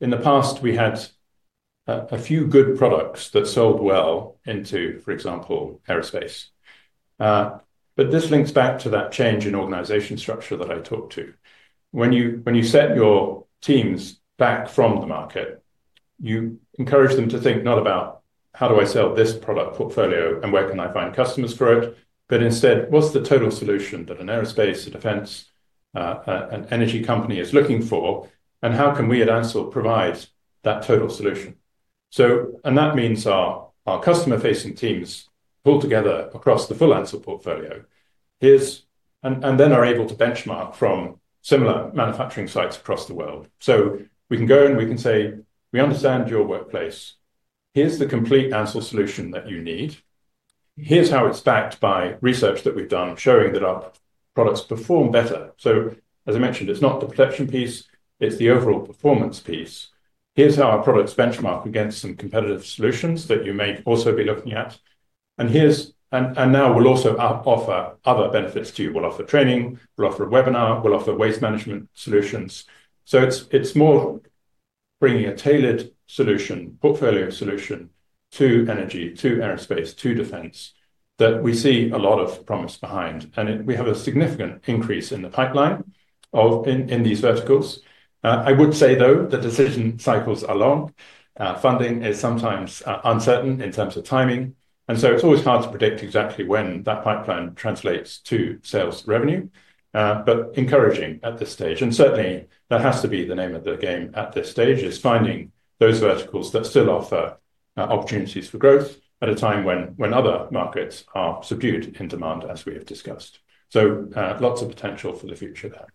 in the past, we had a few good products that sold well into, for example, aerospace. But this links back to that change in organization structure that I talked to. When you, when you set your teams back from the market, you encourage them to think not about, "How do I sell this product portfolio, and where can I find customers for it?" But instead, "What's the total solution that an aerospace, a defense, an energy company is looking for, and how can we at Ansell provide that total solution?" So, and that means our customer-facing teams pull together across the full Ansell portfolio, and then are able to benchmark from similar manufacturing sites across the world. So we can go and we can say, "We understand your workplace. Here's the complete Ansell solution that you need. Here's how it's backed by research that we've done, showing that our products perform better. So, as I mentioned, it's not the protection piece, it's the overall performance piece. Here's how our products benchmark against some competitive solutions that you may also be looking at. And here's—and now we'll also offer other benefits to you. We'll offer training, we'll offer a webinar, we'll offer waste management solutions. So it's more bringing a tailored solution, portfolio solution to energy, to aerospace, to defense, that we see a lot of promise behind. And we have a significant increase in the pipeline in these verticals. I would say, though, the decision cycles are long. Funding is sometimes uncertain in terms of timing, and so it's always hard to predict exactly when that pipeline translates to sales revenue. But encouraging at this stage, and certainly that has to be the name of the game at this stage, is finding those verticals that still offer opportunities for growth at a time when other markets are subdued in demand, as we have discussed. So, lots of potential for the future there.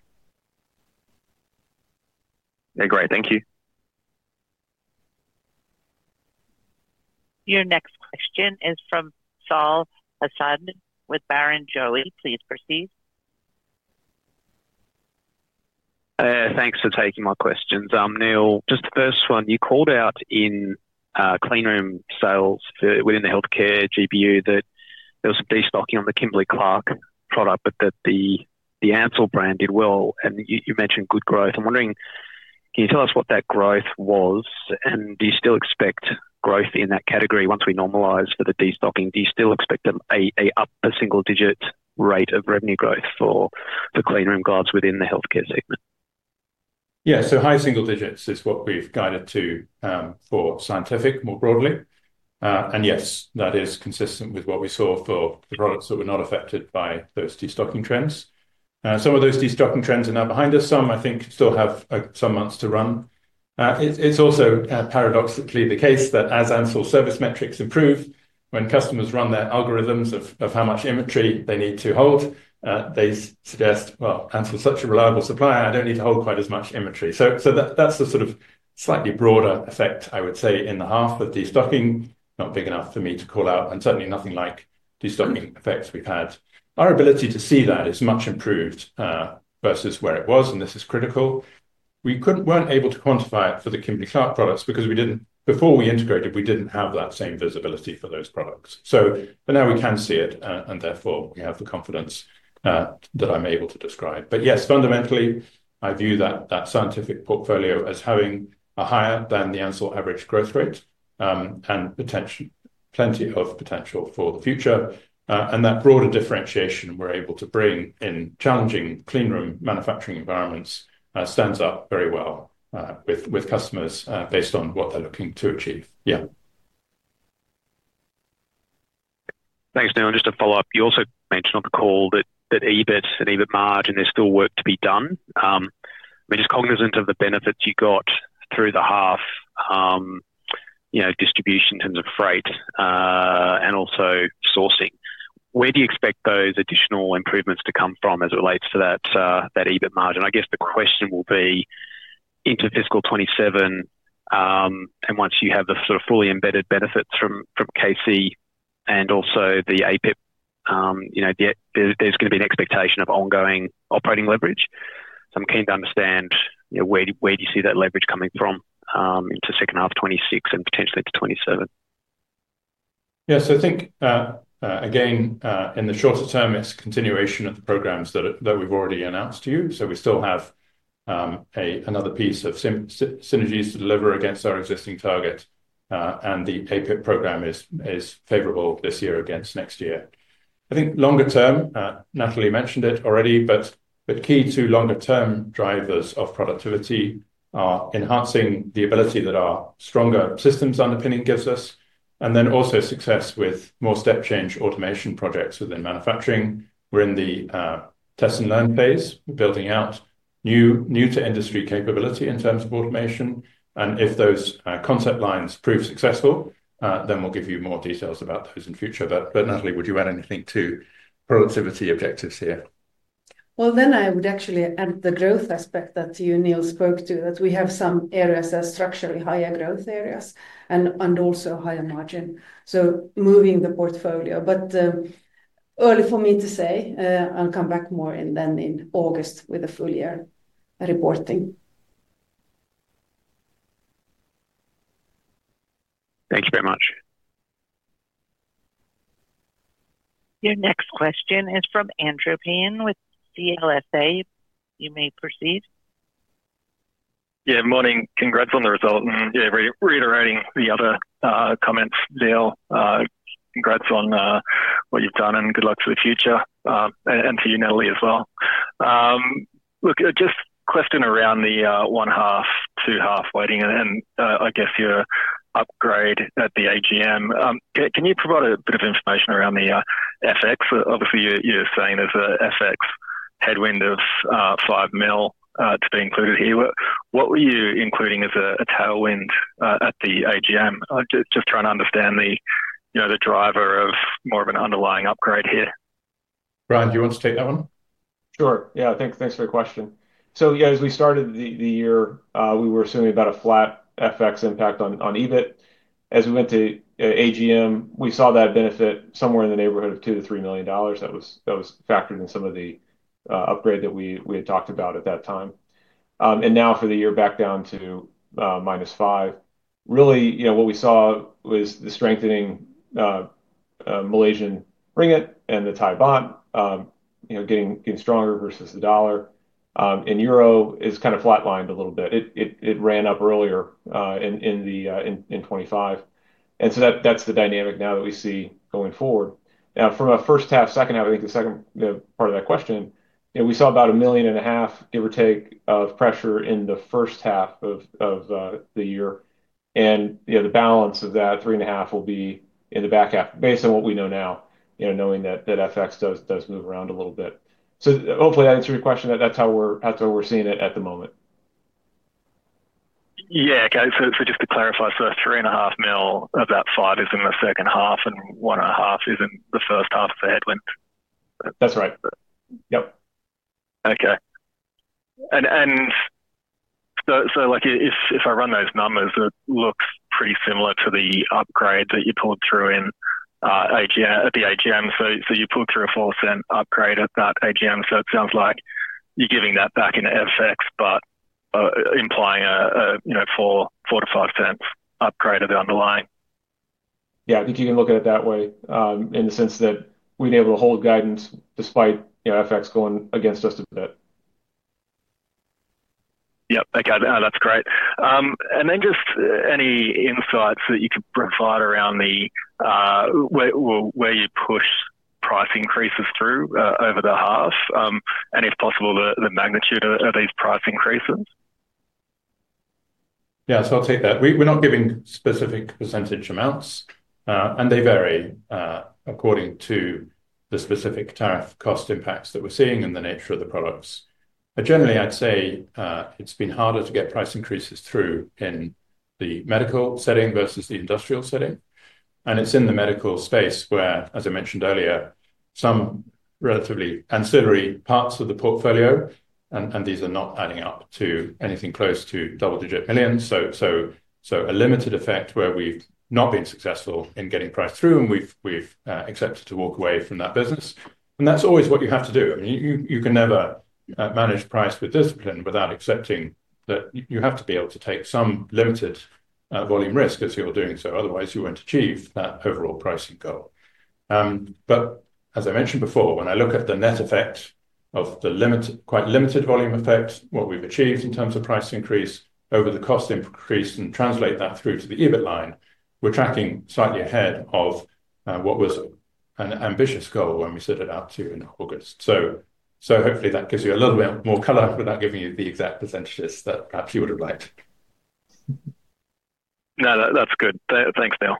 Yeah, great. Thank you. Your next question is from Saul Hadassin with Barrenjoey. Please proceed. Thanks for taking my questions. Neil, just the first one, you called out in cleanroom sales for within the Healthcare GBU, that there was some destocking on the Kimberly-Clark product, but that the Ansell brand did well, and you mentioned good growth. I'm wondering, can you tell us what that growth was? And do you still expect growth in that category once we normalize for the destocking? Do you still expect an upper single-digit rate of revenue growth for cleanroom gloves within the healthcare segment? Yeah. So high single digits is what we've guided to for scientific, more broadly. And yes, that is consistent with what we saw for the products that were not affected by those destocking trends. Some of those destocking trends are now behind us. Some, I think, still have some months to run. It's also paradoxically the case that as Ansell service metrics improve, when customers run their algorithms of how much inventory they need to hold, they suggest, "Well, Ansell's such a reliable supplier, I don't need to hold quite as much inventory." So that, that's the sort of slightly broader effect, I would say, in the half of destocking. Not big enough for me to call out, and certainly nothing like destocking effects we've had. Our ability to see that is much improved versus where it was, and this is critical. We weren't able to quantify it for the Kimberly-Clark products because before we integrated, we didn't have that same visibility for those products. But now we can see it, and therefore, we have the confidence that I'm able to describe. But yes, fundamentally, I view that scientific portfolio as having a higher than the Ansell average growth rate, and potential, plenty of potential for the future. And that broader differentiation we're able to bring in challenging cleanroom manufacturing environments stands up very well with customers based on what they're looking to achieve. Yeah. Thanks, Neil. Just to follow up, you also mentioned on the call that that EBIT and EBIT margin, there's still work to be done. We're just cognizant of the benefits you got through the half, you know, distribution in terms of freight, and also sourcing. Where do you expect those additional improvements to come from as it relates to that EBIT margin? I guess the question will be, into fiscal 2027, and once you have the sort of fully embedded benefits from KC and also the APIP, you know, there's gonna be an expectation of ongoing operating leverage. So I'm keen to understand, you know, where do you see that leverage coming from, into second half of 2026 and potentially to 2027? Yeah. So I think, again, in the shorter term, it's continuation of the programs that we've already announced to you. So we still have another piece of synergies to deliver against our existing target. And the APIP program is favorable this year against next year. I think longer term, Nathalie mentioned it already, but key to longer term drivers of productivity are enhancing the ability that our stronger systems underpinning gives us, and then also success with more step change automation projects within manufacturing. We're in the test and learn phase, building out new to industry capability in terms of automation, and if those concept lines prove successful, then we'll give you more details about those in future. But, Nathalie, would you add anything to productivity objectives here? Well, then I would actually add the growth aspect that you, Neil, spoke to, that we have some areas that are structurally higher growth areas and, and also higher margin. So moving the portfolio, but, early for me to say, I'll come back more in then in August with a full year reporting. Thank you very much. Your next question is from Andrew Paine with CLSA. You may proceed. Yeah, morning. Congrats on the result. And yeah, reiterating the other comments, Neil, congrats on what you've done, and good luck for the future, and to you, Nathalie, as well. Look, just question around the first half, second half weighting and then I guess your upgrade at the AGM. Can you provide a bit of information around the FX? Obviously, you're saying there's a FX headwind of $5 million to be included here. What were you including as a tailwind at the AGM? I'm just trying to understand the, you know, the driver of more of an underlying upgrade here. Brian, do you want to take that one? Sure, yeah. Thanks, thanks for the question. So yeah, as we started the year, we were assuming about a flat FX impact on EBIT. As we went to AGM, we saw that benefit somewhere in the neighborhood of $2 million-$3 million. That was factored in some of the upgrade that we had talked about at that time. And now for the year, back down to -$5 million. Really, you know, what we saw was the strengthening Malaysian ringgit and the Thai baht, you know, getting stronger versus the dollar. And euro is kind of flatlined a little bit. It ran up earlier in 2025, and so that's the dynamic now that we see going forward. Now, from a first half, second half, I think the second, the part of that question, you know, we saw about $1.5 million, give or take, of pressure in the first half of the year. And, you know, the balance of that $3.5 million will be in the back half, based on what we know now, you know, knowing that FX does move around a little bit. So hopefully, that answers your question. That's how we're seeing it at the moment. Yeah. Okay. So, so just to clarify, so the $3.5 million of that $5 million is in the second half, and $1.5 million is in the first half of the headwind? That's right. Yep. Okay. So, like, if I run those numbers, it looks pretty similar to the upgrade that you pulled through in AGM at the AGM. So you pulled through a $0.04 upgrade at that AGM, so it sounds like you're giving that back in FX, but implying a, you know, $0.04-$0.05 upgrade of the underlying. Yeah, I think you can look at it that way, in the sense that we've been able to hold guidance despite, you know, FX going against us a bit. Yep. Okay. That's great. And then just any insights that you could provide around the where you push price increases through over the half, and if possible, the magnitude of these price increases? Yeah, so I'll take that. We're not giving specific percentage amounts, and they vary according to the specific tariff cost impacts that we're seeing and the nature of the products. But generally, I'd say it's been harder to get price increases through in the medical setting versus the industrial setting. And it's in the medical space where, as I mentioned earlier, some relatively ancillary parts of the portfolio, and these are not adding up to anything close to double-digit millions. So a limited effect where we've not been successful in getting price through, and we've accepted to walk away from that business. And that's always what you have to do. I mean, you can never manage price with discipline without accepting that you have to be able to take some limited volume risk as you're doing so, otherwise you won't achieve that overall pricing goal. But as I mentioned before, when I look at the net effect of the limited, quite limited volume effect, what we've achieved in terms of price increase over the cost increase and translate that through to the EBIT line, we're tracking slightly ahead of what was an ambitious goal when we set it out to in August. So hopefully that gives you a little bit more color without giving you the exact percentages that perhaps you would have liked. No, that, that's good. Thanks, Neil.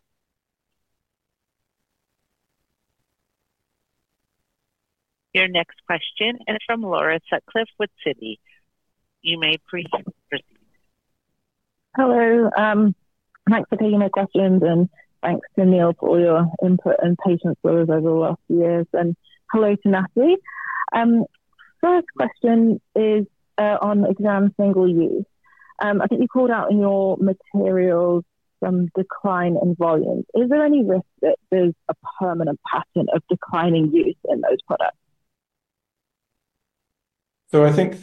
Your next question is from Laura Sutcliffe with Citi. You may proceed. Hello, thanks for taking my questions, and thanks to Neil for all your input and patience with us over the last years, and hello to Nathalie. First question is, on Exam/Single Use. I think you called out in your materials some decline in volumes. Is there any risk that there's a permanent pattern of declining use in those products? So I think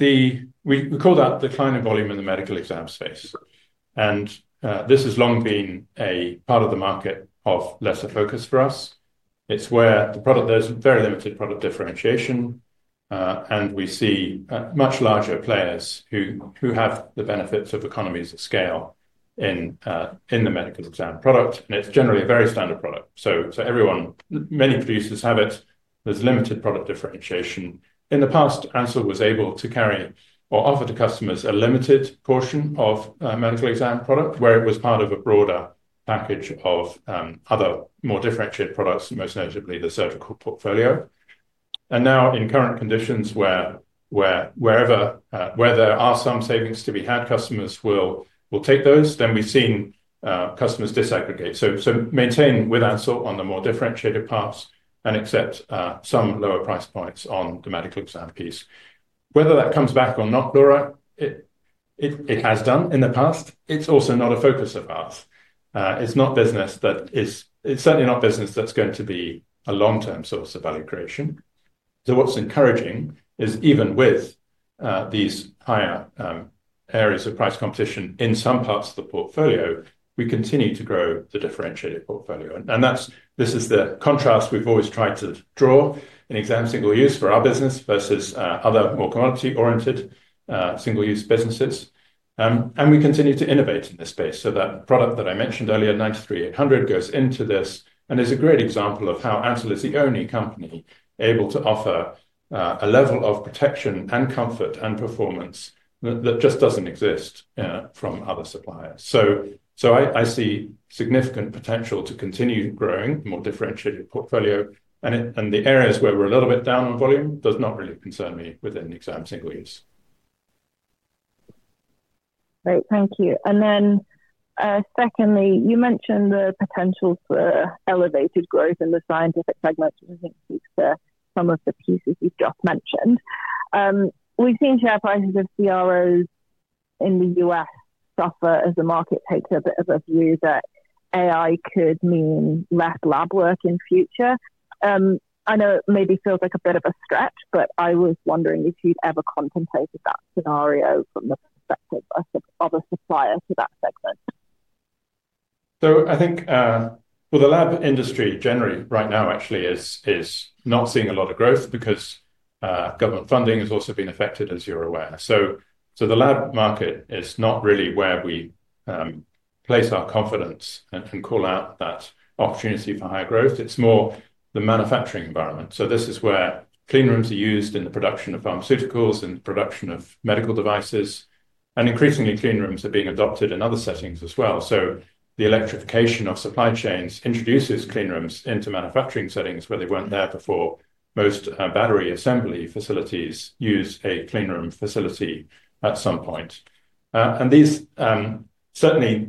we call that decline in volume in the medical exam space, and this has long been a part of the market of lesser focus for us. It's where the product, there's very limited product differentiation, and we see much larger players who have the benefits of economies of scale in the medical exam product, and it's generally a very standard product. So many producers have it. There's limited product differentiation. In the past, Ansell was able to carry or offer to customers a limited portion of medical exam product, where it was part of a broader package of other more differentiated products, most notably the surgical portfolio. And now, in current conditions, where there are some savings to be had, customers will take those. Then we've seen customers disaggregate. So maintain with Ansell on the more differentiated parts and accept some lower price points on the medical exam piece. Whether that comes back or not, Laura, it has done in the past. It's also not a focus of ours. It's not business that's certainly not business that's going to be a long-term source of value creation. So what's encouraging is even with these higher areas of price competition, in some parts of the portfolio, we continue to grow the differentiated portfolio. And that's this is the contrast we've always tried to draw in Exam/Single Use for our business versus other more commodity-oriented single-use businesses. And we continue to innovate in this space. So that product that I mentioned earlier, 93-800, goes into this and is a great example of how Ansell is the only company able to offer a level of protection, and comfort, and performance that just doesn't exist from other suppliers. So I see significant potential to continue growing more differentiated portfolio, and it and the areas where we're a little bit down on volume does not really concern me within the Exam/Single Use. Great, thank you. And then, secondly, you mentioned the potential for elevated growth in the scientific segment, which I think speaks to some of the pieces you've just mentioned. We've seen share prices of CROs in the U.S. suffer as the market takes a bit of a view that AI could mean less lab work in future. I know it maybe feels like a bit of a stretch, but I was wondering if you'd ever contemplated that scenario from the perspective of a supplier to that segment? So I think, well, the lab industry generally right now actually is, is not seeing a lot of growth because, government funding has also been affected, as you're aware. So, so the lab market is not really where we, place our confidence and, and call out that opportunity for higher growth. It's more the manufacturing environment. So this is where cleanrooms are used in the production of pharmaceuticals and production of medical devices, and increasingly, cleanrooms are being adopted in other settings as well. So the electrification of supply chains introduces cleanrooms into manufacturing settings where they weren't there before. Most, battery assembly facilities use a cleanroom facility at some point. and these, certainly,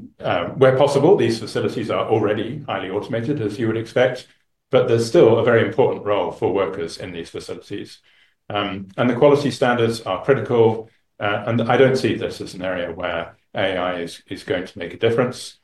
where possible, these facilities are already highly automated, as you would expect, but there's still a very important role for workers in these facilities. And the quality standards are critical, and I don't see this as an area where AI is, is going to make a difference.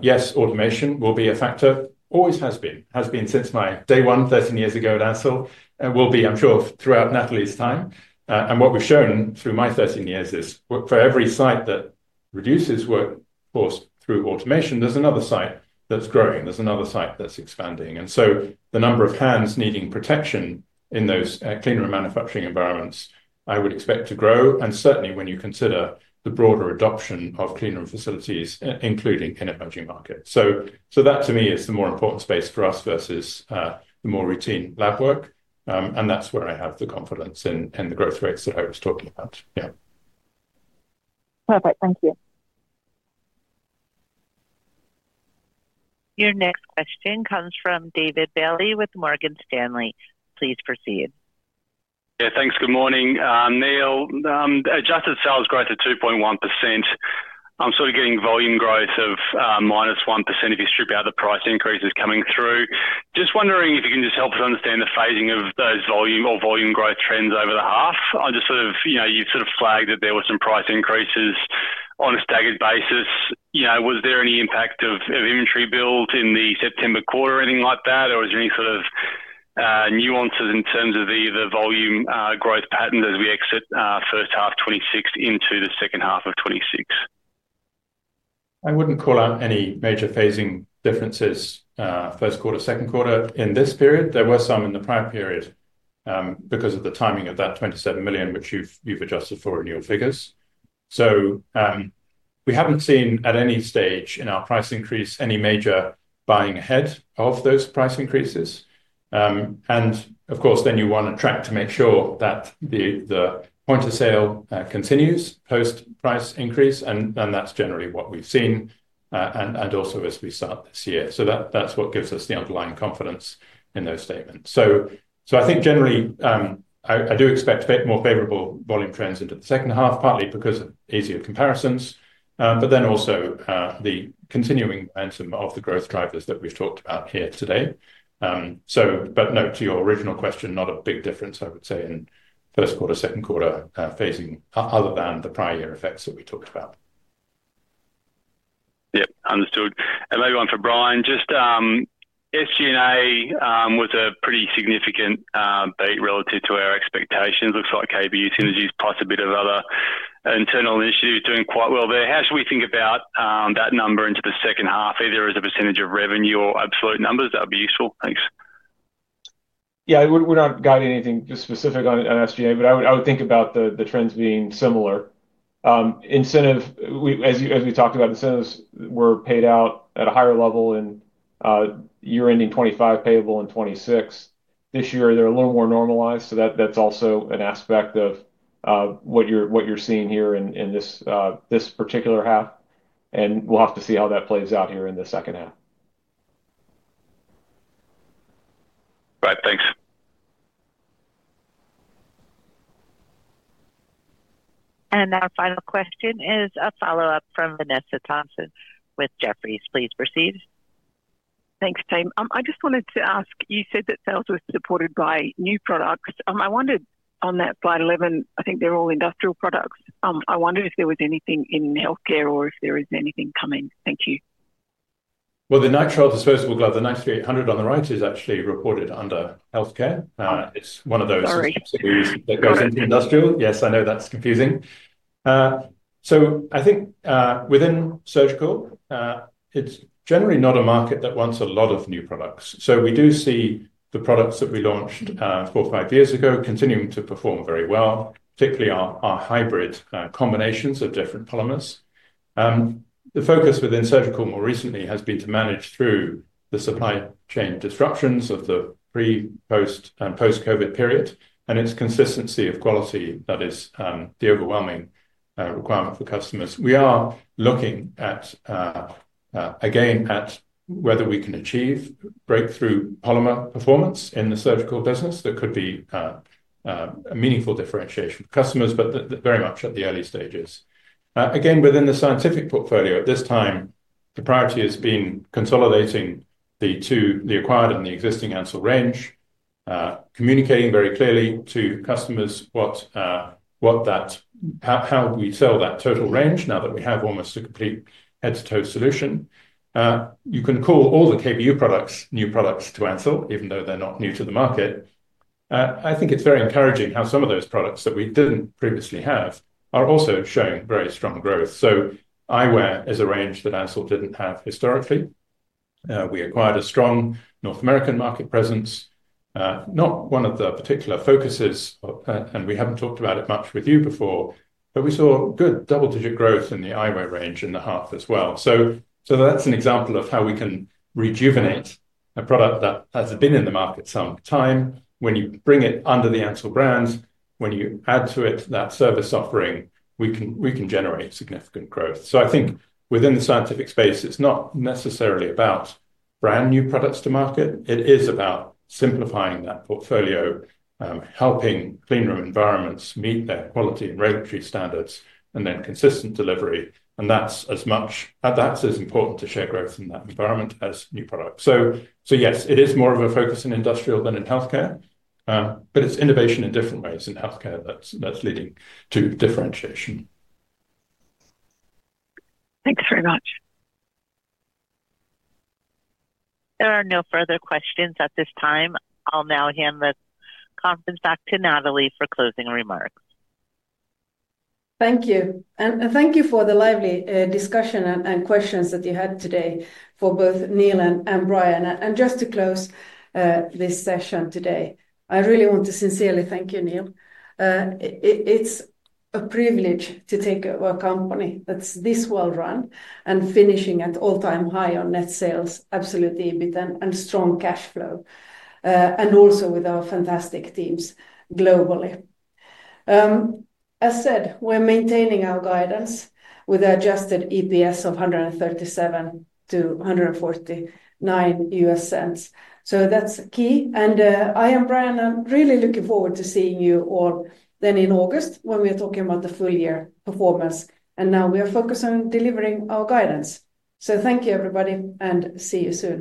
Yes, automation will be a factor. Always has been. Has been since my day one, 13 years ago at Ansell, and will be, I'm sure, throughout Nathalie's time. And what we've shown through my 13 years is for every site that reduces workforce through automation, there's another site that's growing, there's another site that's expanding. And so the number of hands needing protection in those, cleanroom manufacturing environments, I would expect to grow, and certainly when you consider the broader adoption of cleanroom facilities, including in emerging markets. So, so that, to me, is the more important space for us versus, the more routine lab work. That's where I have the confidence and the growth rates that I was talking about. Yeah. Perfect. Thank you. Your next question comes from David Bailey with Morgan Stanley. Please proceed. Yeah, thanks. Good morning, Neil. Adjusted sales growth to 2.1%. I'm sort of getting volume growth of -1% if you strip out the price increases coming through. Just wondering if you can just help us understand the phasing of those volume or volume growth trends over the half. I just sort of, you know, you've sort of flagged that there were some price increases on a staggered basis. You know, was there any impact of inventory build in the September quarter or anything like that, or was there any sort of nuances in terms of either volume growth patterns as we exit first half 2026 into the second half of 2026? I wouldn't call out any major phasing differences, first quarter, second quarter in this period. There were some in the prior period, because of the timing of that $27 million, which you've adjusted for in your figures. So, we haven't seen, at any stage in our price increase, any major buying ahead of those price increases. And of course, then you want to track to make sure that the point of sale continues post-price increase, and that's generally what we've seen, and also as we start this year. So that's what gives us the underlying confidence in those statements. So, I think generally, I do expect more favorable volume trends into the second half, partly because of easier comparisons, but then also the continuing momentum of the growth drivers that we've talked about here today. But no, to your original question, not a big difference, I would say, in first quarter, second quarter phasing, other than the prior year effects that we talked about. Yep, understood. And maybe one for Brian. Just SG&A was a pretty significant beat relative to our expectations. Looks like KBU synergies, plus a bit of other internal initiative doing quite well there. How should we think about that number into the second half, either as a percentage of revenue or absolute numbers? That would be useful. Thanks. Yeah, we're not guiding anything just specific on SG&A, but I would think about the trends being similar. Incentives, as we talked about, were paid out at a higher level in year-ending 2025, payable in 2026. This year they're a little more normalized, so that's also an aspect of what you're seeing here in this particular half, and we'll have to see how that plays out here in the second half. Right, thanks. Our final question is a follow-up from Vanessa Thomson with Jefferies. Please proceed. Thanks, team. I just wanted to ask, you said that sales were supported by new products. I wondered on that slide 11, I think they're all industrial products. I wondered if there was anything in healthcare or if there is anything coming. Thank you. Well, the nitrile disposable glove, the NX300 on the right, is actually reported under Healthcare. It's one of those- Sorry. That goes into industrial. Yes, I know that's confusing. So I think, within surgical, it's generally not a market that wants a lot of new products. So we do see the products that we launched, four to five years ago, continuing to perform very well, particularly our, our hybrid, combinations of different polymers. The focus within surgical more recently has been to manage through the supply chain disruptions of the pre-, post-, and post-COVID period, and its consistency of quality that is, the overwhelming, requirement for customers. We are looking at, again, at whether we can achieve breakthrough polymer performance in the surgical business. That could be, a meaningful differentiation for customers, but that, very much at the early stages. Again, within the scientific portfolio, at this time, the priority has been consolidating the two, the acquired and the existing Ansell range. Communicating very clearly to customers what that, how we sell that total range now that we have almost a complete head-to-toe solution. You can call all the KBU products new products to Ansell, even though they're not new to the market. I think it's very encouraging how some of those products that we didn't previously have are also showing very strong growth. So eyewear is a range that Ansell didn't have historically. We acquired a strong North American market presence. Not one of the particular focuses, and we haven't talked about it much with you before, but we saw good double-digit growth in the eyewear range in the half as well. So that's an example of how we can rejuvenate a product that has been in the market some time. When you bring it under the Ansell brand, when you add to it that service offering, we can generate significant growth. So I think within the scientific space, it's not necessarily about brand-new products to market. It is about simplifying that portfolio, helping cleanroom environments meet their quality and regulatory standards, and then consistent delivery, and that's as much, and that's as important to share growth in that environment as new products. So yes, it is more of a focus in industrial than in healthcare, but it's innovation in different ways in healthcare that's leading to differentiation. Thanks very much. There are no further questions at this time. I'll now hand the conference back to Nathalie for closing remarks. Thank you. And thank you for the lively discussion and questions that you had today for both Neil and Brian. And just to close this session today, I really want to sincerely thank you, Neil. It’s a privilege to take over a company that’s this well run and finishing at all-time high on net sales, absolute EBIT, and strong cash flow, and also with our fantastic teams globally. As said, we’re maintaining our guidance with adjusted EPS of $1.37-$1.49, so that’s key. And I and Brian are really looking forward to seeing you all then in August, when we are talking about the full year performance. And now we are focused on delivering our guidance. So thank you, everybody, and see you soon.